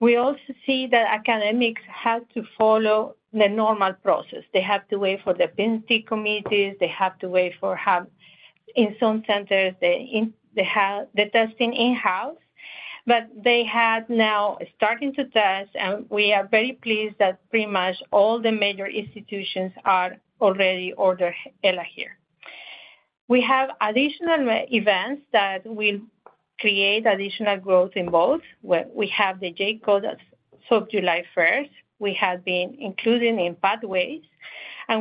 We also see that academics have to follow the normal process. They have to wait for the P&T committees. They have to wait for, in some centers, the testing in-house. They have now starting to test, and we are very pleased that pretty much all the major institutions are already order ELAHERE. We have additional events that will create additional growth in both. We have the J-code as of July 1st. We have been included in pathways.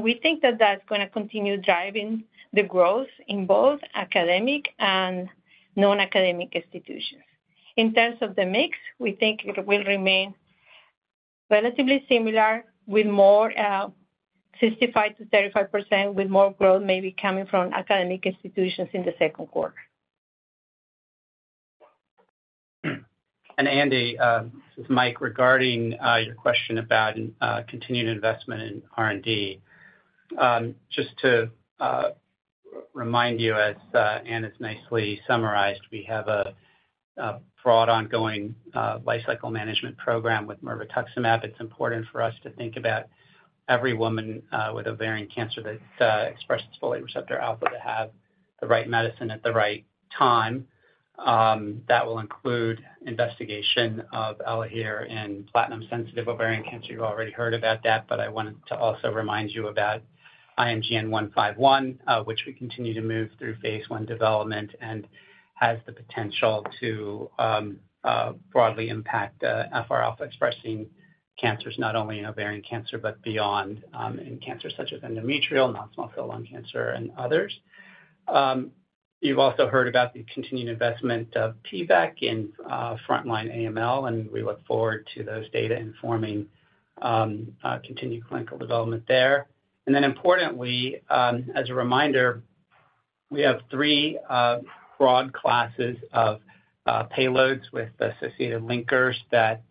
We think that that's going to continue driving the growth in both academic and non-academic institutions. In terms of the mix, we think it will remain relatively similar, with more, 65%-35%, with more growth maybe coming from academic institutions in the second quarter. Andy, this is Mike, regarding your question about continued investment in R&D. Just to remind you, as Anna's nicely summarized, we have a broad ongoing lifecycle management program with mirvetuximab. It's important for us to think about every woman with ovarian cancer that expresses folate receptor alpha, to have the right medicine at the right time. That will include investigation of ELAHERE in platinum-sensitive ovarian cancer. You've already heard about that, but I wanted to also remind you about IMGN151, which we continue to move through phase I development and has the potential to broadly impact FRα-expressing cancers, not only in ovarian cancer, but beyond, in cancers such as endometrial, non-small cell lung cancer, and others. You've also heard about the continued investment of PVEK in frontline AML, we look forward to those data informing continued clinical development there. Importantly, as a reminder, we have 3 broad classes of payloads with associated linkers that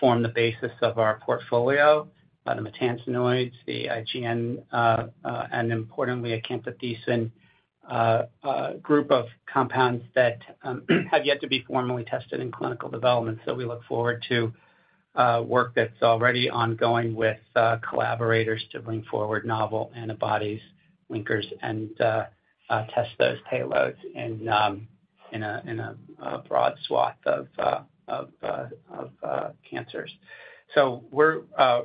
form the basis of our portfolio, the maytansinoids, the IGN, and importantly, a camptothecin, a group of compounds that have yet to be formally tested in clinical development. We look forward to work that's already ongoing with collaborators to bring forward novel antibodies, linkers, and test those payloads in a broad swath of cancers. We're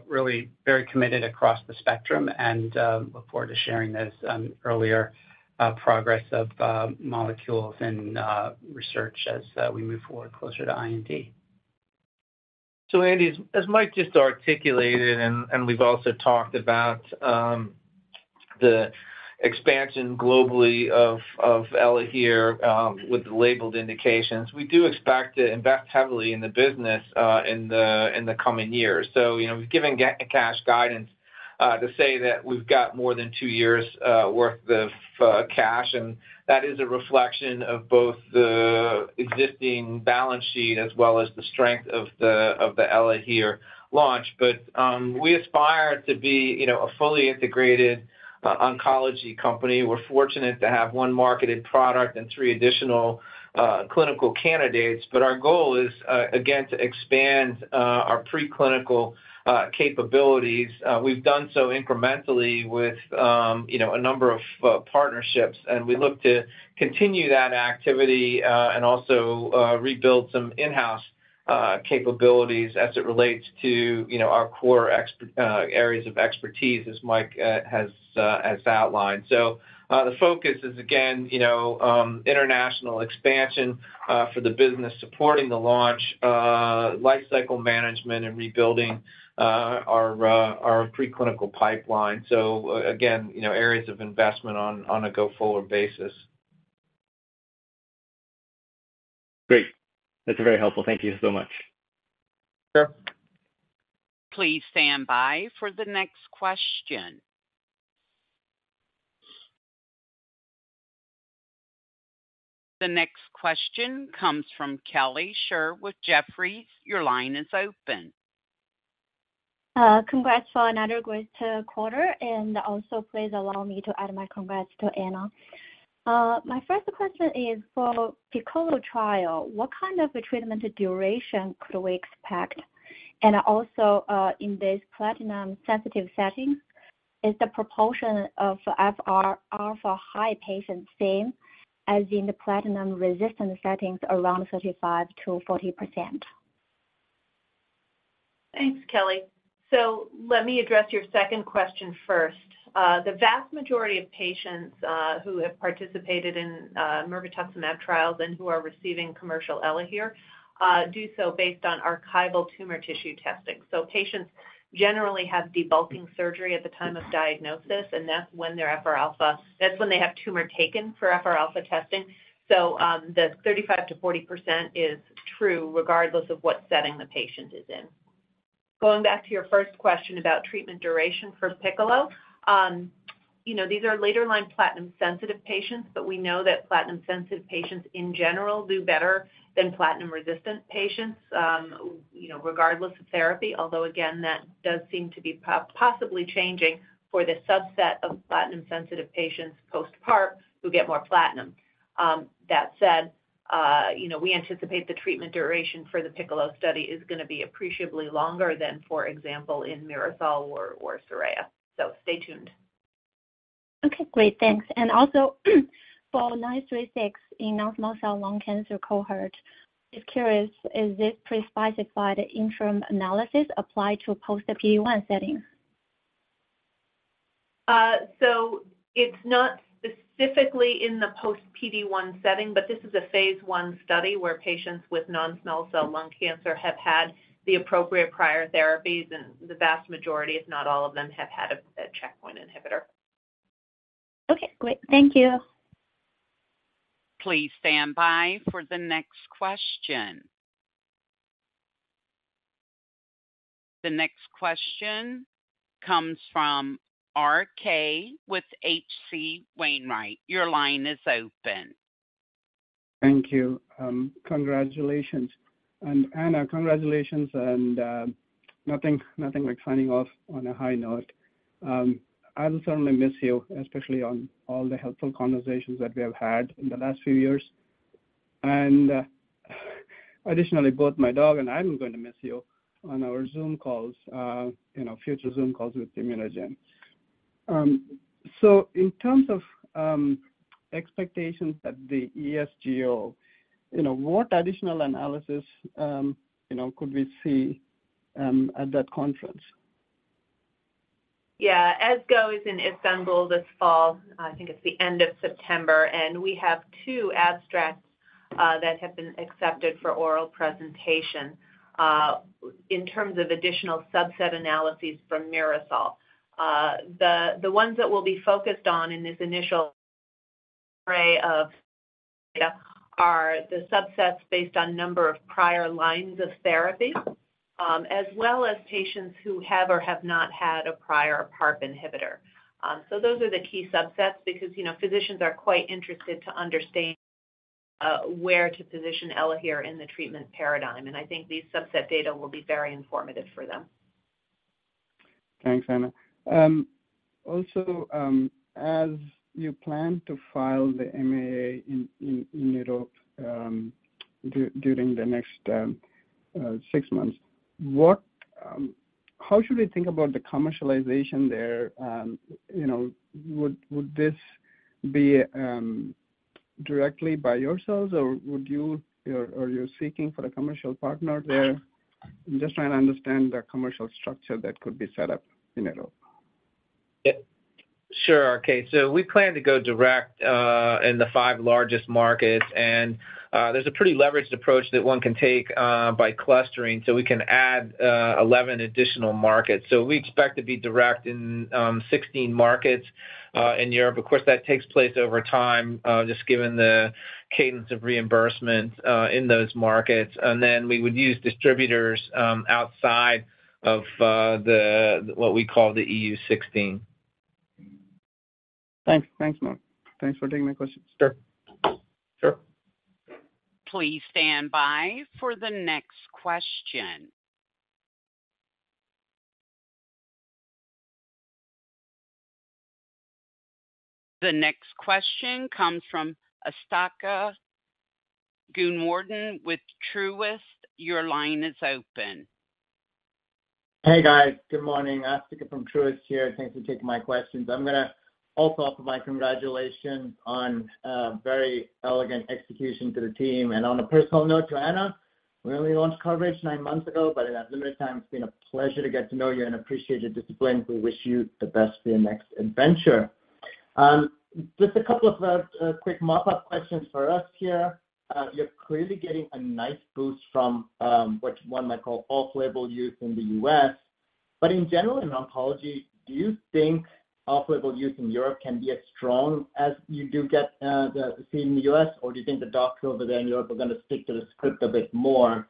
really very committed across the spectrum and look forward to sharing this earlier progress of molecules and research as we move forward closer to IND. Andy, as, as Mike just articulated, and, and we've also talked about, the expansion globally of, of ELAHERE, with the labeled indications, we do expect to invest heavily in the business, in the, in the coming years. You know, we've given a cash guidance to say that we've got more than 2 years worth of cash, and that is a reflection of both the existing balance sheet as well as the strength of the, of the ELAHERE launch. We aspire to be, you know, a fully integrated oncology company. We're fortunate to have 1 marketed product and 3 additional clinical candidates, but our goal is, again, to expand our preclinical capabilities. We've done so incrementally with, you know, a number of partnerships, and we look to continue that activity, and also, rebuild some in-house capabilities as it relates to, you know, our core areas of expertise, as Mike has outlined. The focus is, again, you know, international expansion for the business, supporting the launch, lifecycle management, and rebuilding our preclinical pipeline. Again, you know, areas of investment on, on a go-forward basis. Great. That's very helpful. Thank you so much. Sure. Please stand by for the next question. The next question comes from Kelly Shi with Jefferies. Your line is open. Congrats for another great quarter, and also please allow me to add my congrats to Anna. My first question is for PICCOLO trial. What kind of a treatment duration could we expect? Also, in this platinum-sensitive setting, is the proportion of FRα high patients same as in the platinum-resistant settings, around 35%-40%? Thanks, Kelly. Let me address your second question first. The vast majority of patients who have participated in mirvetuximab trials and who are receiving commercial ELAHERE do so based on archival tumor tissue testing. Patients generally have debulking surgery at the time of diagnosis, and that's when they have tumor taken for FR alpha testing. The 35%-40% is true, regardless of what setting the patient is in. Going back to your first question about treatment duration for PICCOLO. You know, these are later-line platinum-sensitive patients, but we know that platinum-sensitive patients in general do better than platinum-resistant patients, you know, regardless of therapy. Although, again, that does seem to be possibly changing for the subset of platinum-sensitive patients post-PARP, who get more platinum. That said, you know, we anticipate the treatment duration for the PICCOLO study is going to be appreciably longer than, for example, in MIRASOL or, or SORAYA. Stay tuned. Okay, great. Thanks. Also, for IMGC936 in non-small cell lung cancer cohort, just curious, is this pre-specified interim analysis applied to post the PE1 setting?... it's not specifically in the post PD-1 setting, but this is a phase I study where patients with non-small cell lung cancer have had the appropriate prior therapies, and the vast majority, if not all of them, have had a, a checkpoint inhibitor. Okay, great. Thank you. Please stand by for the next question. The next question comes from RK with H.C. Wainwright. Your line is open. Thank you. Congratulations. Anna, congratulations, and nothing, nothing like signing off on a high note. I will certainly miss you, especially on all the helpful conversations that we have had in the last few years. Additionally, both my dog and I are going to miss you on our Zoom calls, you know, future Zoom calls with ImmunoGen. So in terms of expectations at the ESGO, you know, what additional analysis, you know, could we see at that conference? Yeah, ESGO is in Istanbul this fall. I think it's the end of September, and we have 2 abstracts that have been accepted for oral presentation. In terms of additional subset analyses from MIRASOL. The, the ones that we'll be focused on in this initial array of are the subsets based on number of prior lines of therapy, as well as patients who have or have not had a prior PARP inhibitor. So those are the key subsets because, you know, physicians are quite interested to understand where to position ELAHERE in the treatment paradigm, and I think these subset data will be very informative for them. Thanks, Anna. Also, as you plan to file the MAA in, in, in Europe, during the next six months, how should we think about the commercialization there? You know, would, would this be directly by yourselves, or would you, or, or you're seeking for a commercial partner there? I'm just trying to understand the commercial structure that could be set up in Europe. Yeah, sure, RK. We plan to go direct in the five largest markets. There's a pretty leveraged approach that one can take by clustering, so we can add 11 additional markets. We expect to be direct in 16 markets in Europe. Of course, that takes place over time just given the cadence of reimbursement in those markets. Then we would use distributors outside of the, what we call the EU sixteen. Thanks. Thanks, Mark. Thanks for taking my questions. Sure. Sure. Please stand by for the next question. The next question comes from Asthika Goonewardene with Truist. Your line is open. Hey, guys. Good morning. Asthika from Truist here. Thanks for taking my questions. I'm going to also offer my congratulations on a very elegant execution to the team. On a personal note to Anna, we only launched coverage nine months ago, but in that limited time, it's been a pleasure to get to know you and appreciate your discipline. We wish you the best for your next adventure. Just a couple of quick mop-up questions for us here. You're clearly getting a nice boost from what one might call off-label use in the US. In general, in oncology, do you think off-label use in Europe can be as strong as you do get the same in the US, or do you think the doctors over there in Europe are going to stick to the script a bit more?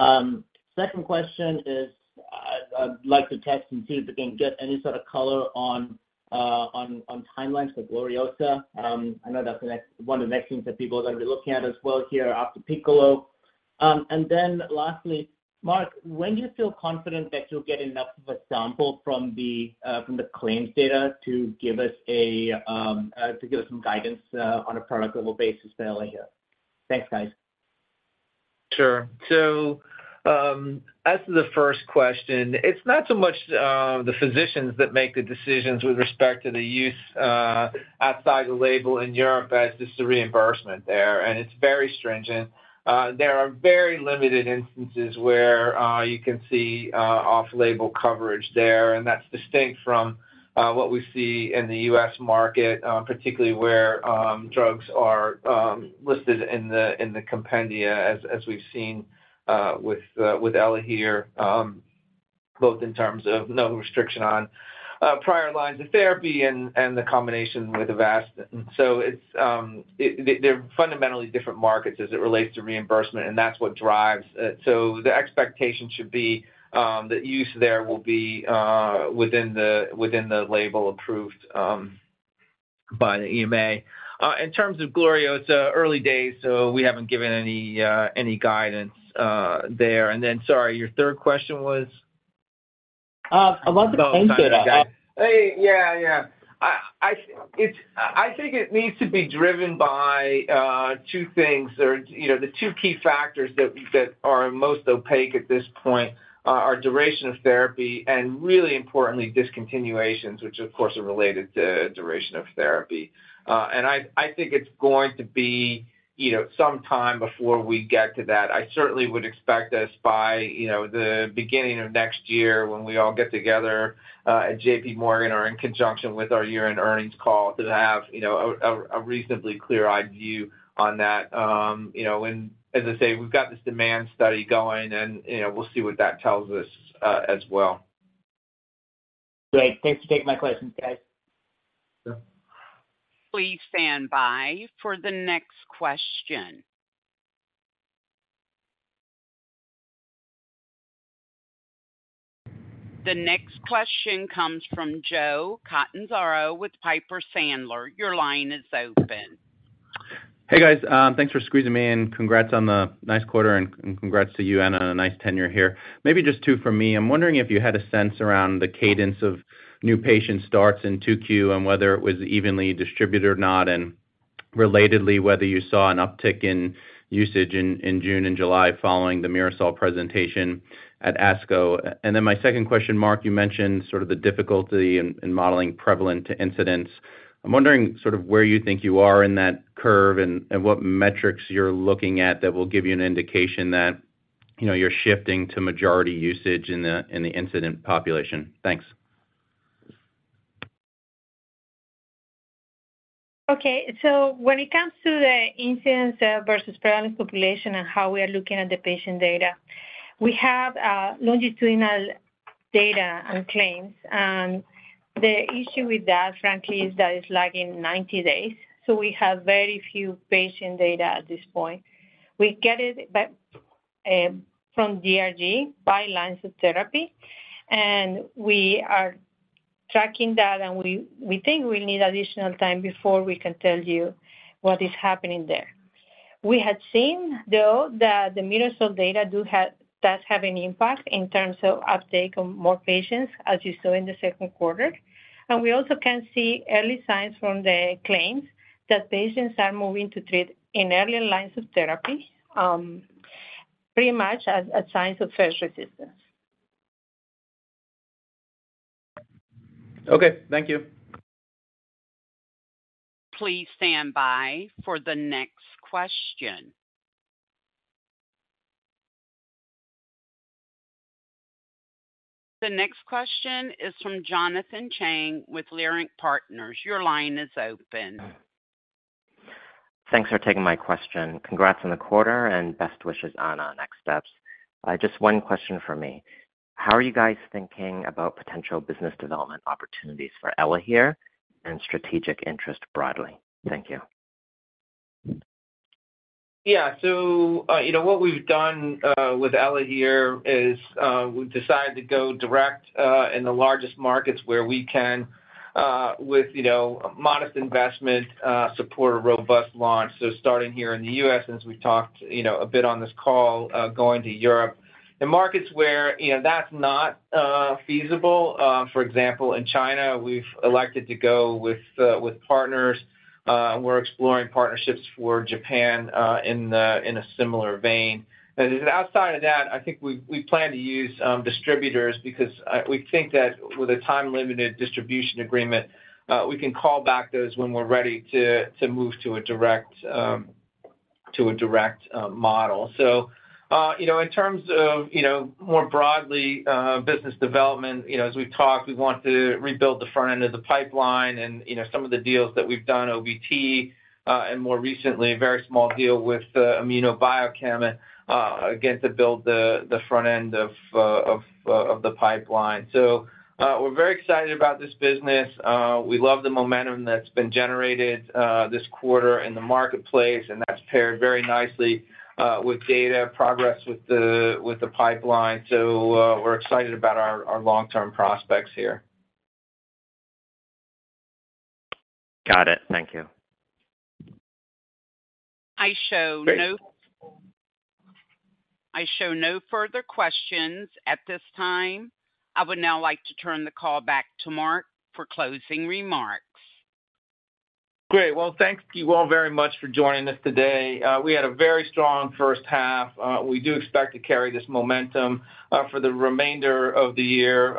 Second question is, I'd, I'd like to test and see if we can get any sort of color on timelines for GLORIOSA. I know that's the next, one of the next things that people are going to be looking at as well here after PICCOLO. And then lastly, Mark, when do you feel confident that you'll get enough of a sample from the claims data to give us some guidance on a product-level basis for ELAHERE? Thanks, guys. Sure. As to the first question, it's not so much the physicians that make the decisions with respect to the use outside the label in Europe, but it's just the reimbursement there, and it's very stringent. There are very limited instances where you can see off-label coverage there, and that's distinct from what we see in the U.S. market, particularly where drugs are listed in the compendia, as we've seen with ELAHERE, both in terms of no restriction on prior lines of therapy and the combination with Avastin. It's, they're fundamentally different markets as it relates to reimbursement, and that's what drives it. The expectation should be that use there will be within the label approved by the EMA. In terms of GLORIOSA, early days, so we haven't given any guidance there. Sorry, your third question was? About the claims data. Hey, yeah, yeah. I, I, it's-- I think it needs to be driven by two things or, you know, the two key factors that, that are most opaque at this point, are duration of therapy and really importantly, discontinuations, which of course, are related to duration of therapy. I, I think it's going to be, you know, some time before we get to that. I certainly would expect us by, you know, the beginning of next year when we all get together at JP Morgan or in conjunction with our year-end earnings call, to have, you know, a, a, a reasonably clear-eyed view on that. You know, as I say, we've got this demand study going and, you know, we'll see what that tells us as well. Great. Thanks for taking my questions, guys. Please stand by for the next question. The next question comes from Joseph Catanzaro with Piper Sandler. Your line is open. Hey, guys. Thanks for squeezing me in. Congrats on the nice quarter, and congrats to you, Anna, nice tenure here. Maybe just two from me. I'm wondering if you had a sense around the cadence of new patient starts in 2Q and whether it was evenly distributed or not, and relatedly, whether you saw an uptick in usage in June and July following the MIRASOL presentation at ASCO. My second question, Mark, you mentioned sort of the difficulty in modeling prevalent incidents. I'm wondering sort of where you think you are in that curve and what metrics you're looking at that will give you an indication that, you know, you're shifting to majority usage in the incident population. Thanks. Okay, when it comes to the incidence, versus parallel population and how we are looking at the patient data, we have a longitudinal data and claims, and the issue with that, frankly, is that it's lagging 90 days. We have very few patient data at this point. We get it back from DRG by lines of therapy, and we are tracking that, and we, we think we need additional time before we can tell you what is happening there. We had seen, though, that the MIRASOL data do have, does have an impact in terms of uptake of more patients, as you saw in the 2Q. We also can see early signs from the claims that patients are moving to treat in earlier lines of therapy, pretty much as a sign of first resistance. Okay, thank you. Please stand by for the next question. The next question is from Jonathan Chang with Leerink Partners. Your line is open. Thanks for taking my question. Congrats on the quarter and best wishes, Ana, on next steps. just one question from me: How are you guys thinking about potential business development opportunities for ELAHERE and strategic interest broadly? Thank you. Yeah. You know, what we've done with ELAHERE is, we've decided to go direct in the largest markets where we can, with, you know, modest investment, support a robust launch. Starting here in the U.S., as we've talked, you know, a bit on this call, going to Europe. The markets where, you know, that's not feasible, for example, in China, we've elected to go with partners. We're exploring partnerships for Japan in the, in a similar vein. Outside of that, I think we, we plan to use distributors because we think that with a time-limited distribution agreement, we can call back those when we're ready to, to move to a direct, to a direct model. you know, in terms of, you know, more broadly, business development, you know, as we've talked, we want to rebuild the front end of the pipeline and, you know, some of the deals that we've done, OBT, and more recently, a very small deal with ImmunoBiochem, again, to build the, the front end of, of, of the pipeline. We're very excited about this business. We love the momentum that's been generated this quarter in the marketplace, and that's paired very nicely with data progress with the, with the pipeline. We're excited about our, our long-term prospects here. Got it. Thank you. I show. Great. I show no further questions at this time. I would now like to turn the call back to Mark for closing remarks. Great. Well, thank you all very much for joining us today. We had a very strong first half. We do expect to carry this momentum for the remainder of the year,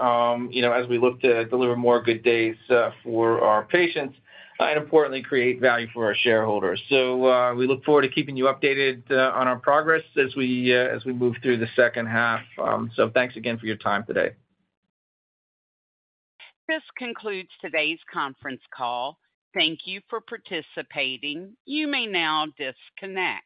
you know, as we look to deliver more good days for our patients and importantly, create value for our shareholders. We look forward to keeping you updated on our progress as we move through the second half. Thanks again for your time today. This concludes today's conference call. Thank you for participating. You may now disconnect.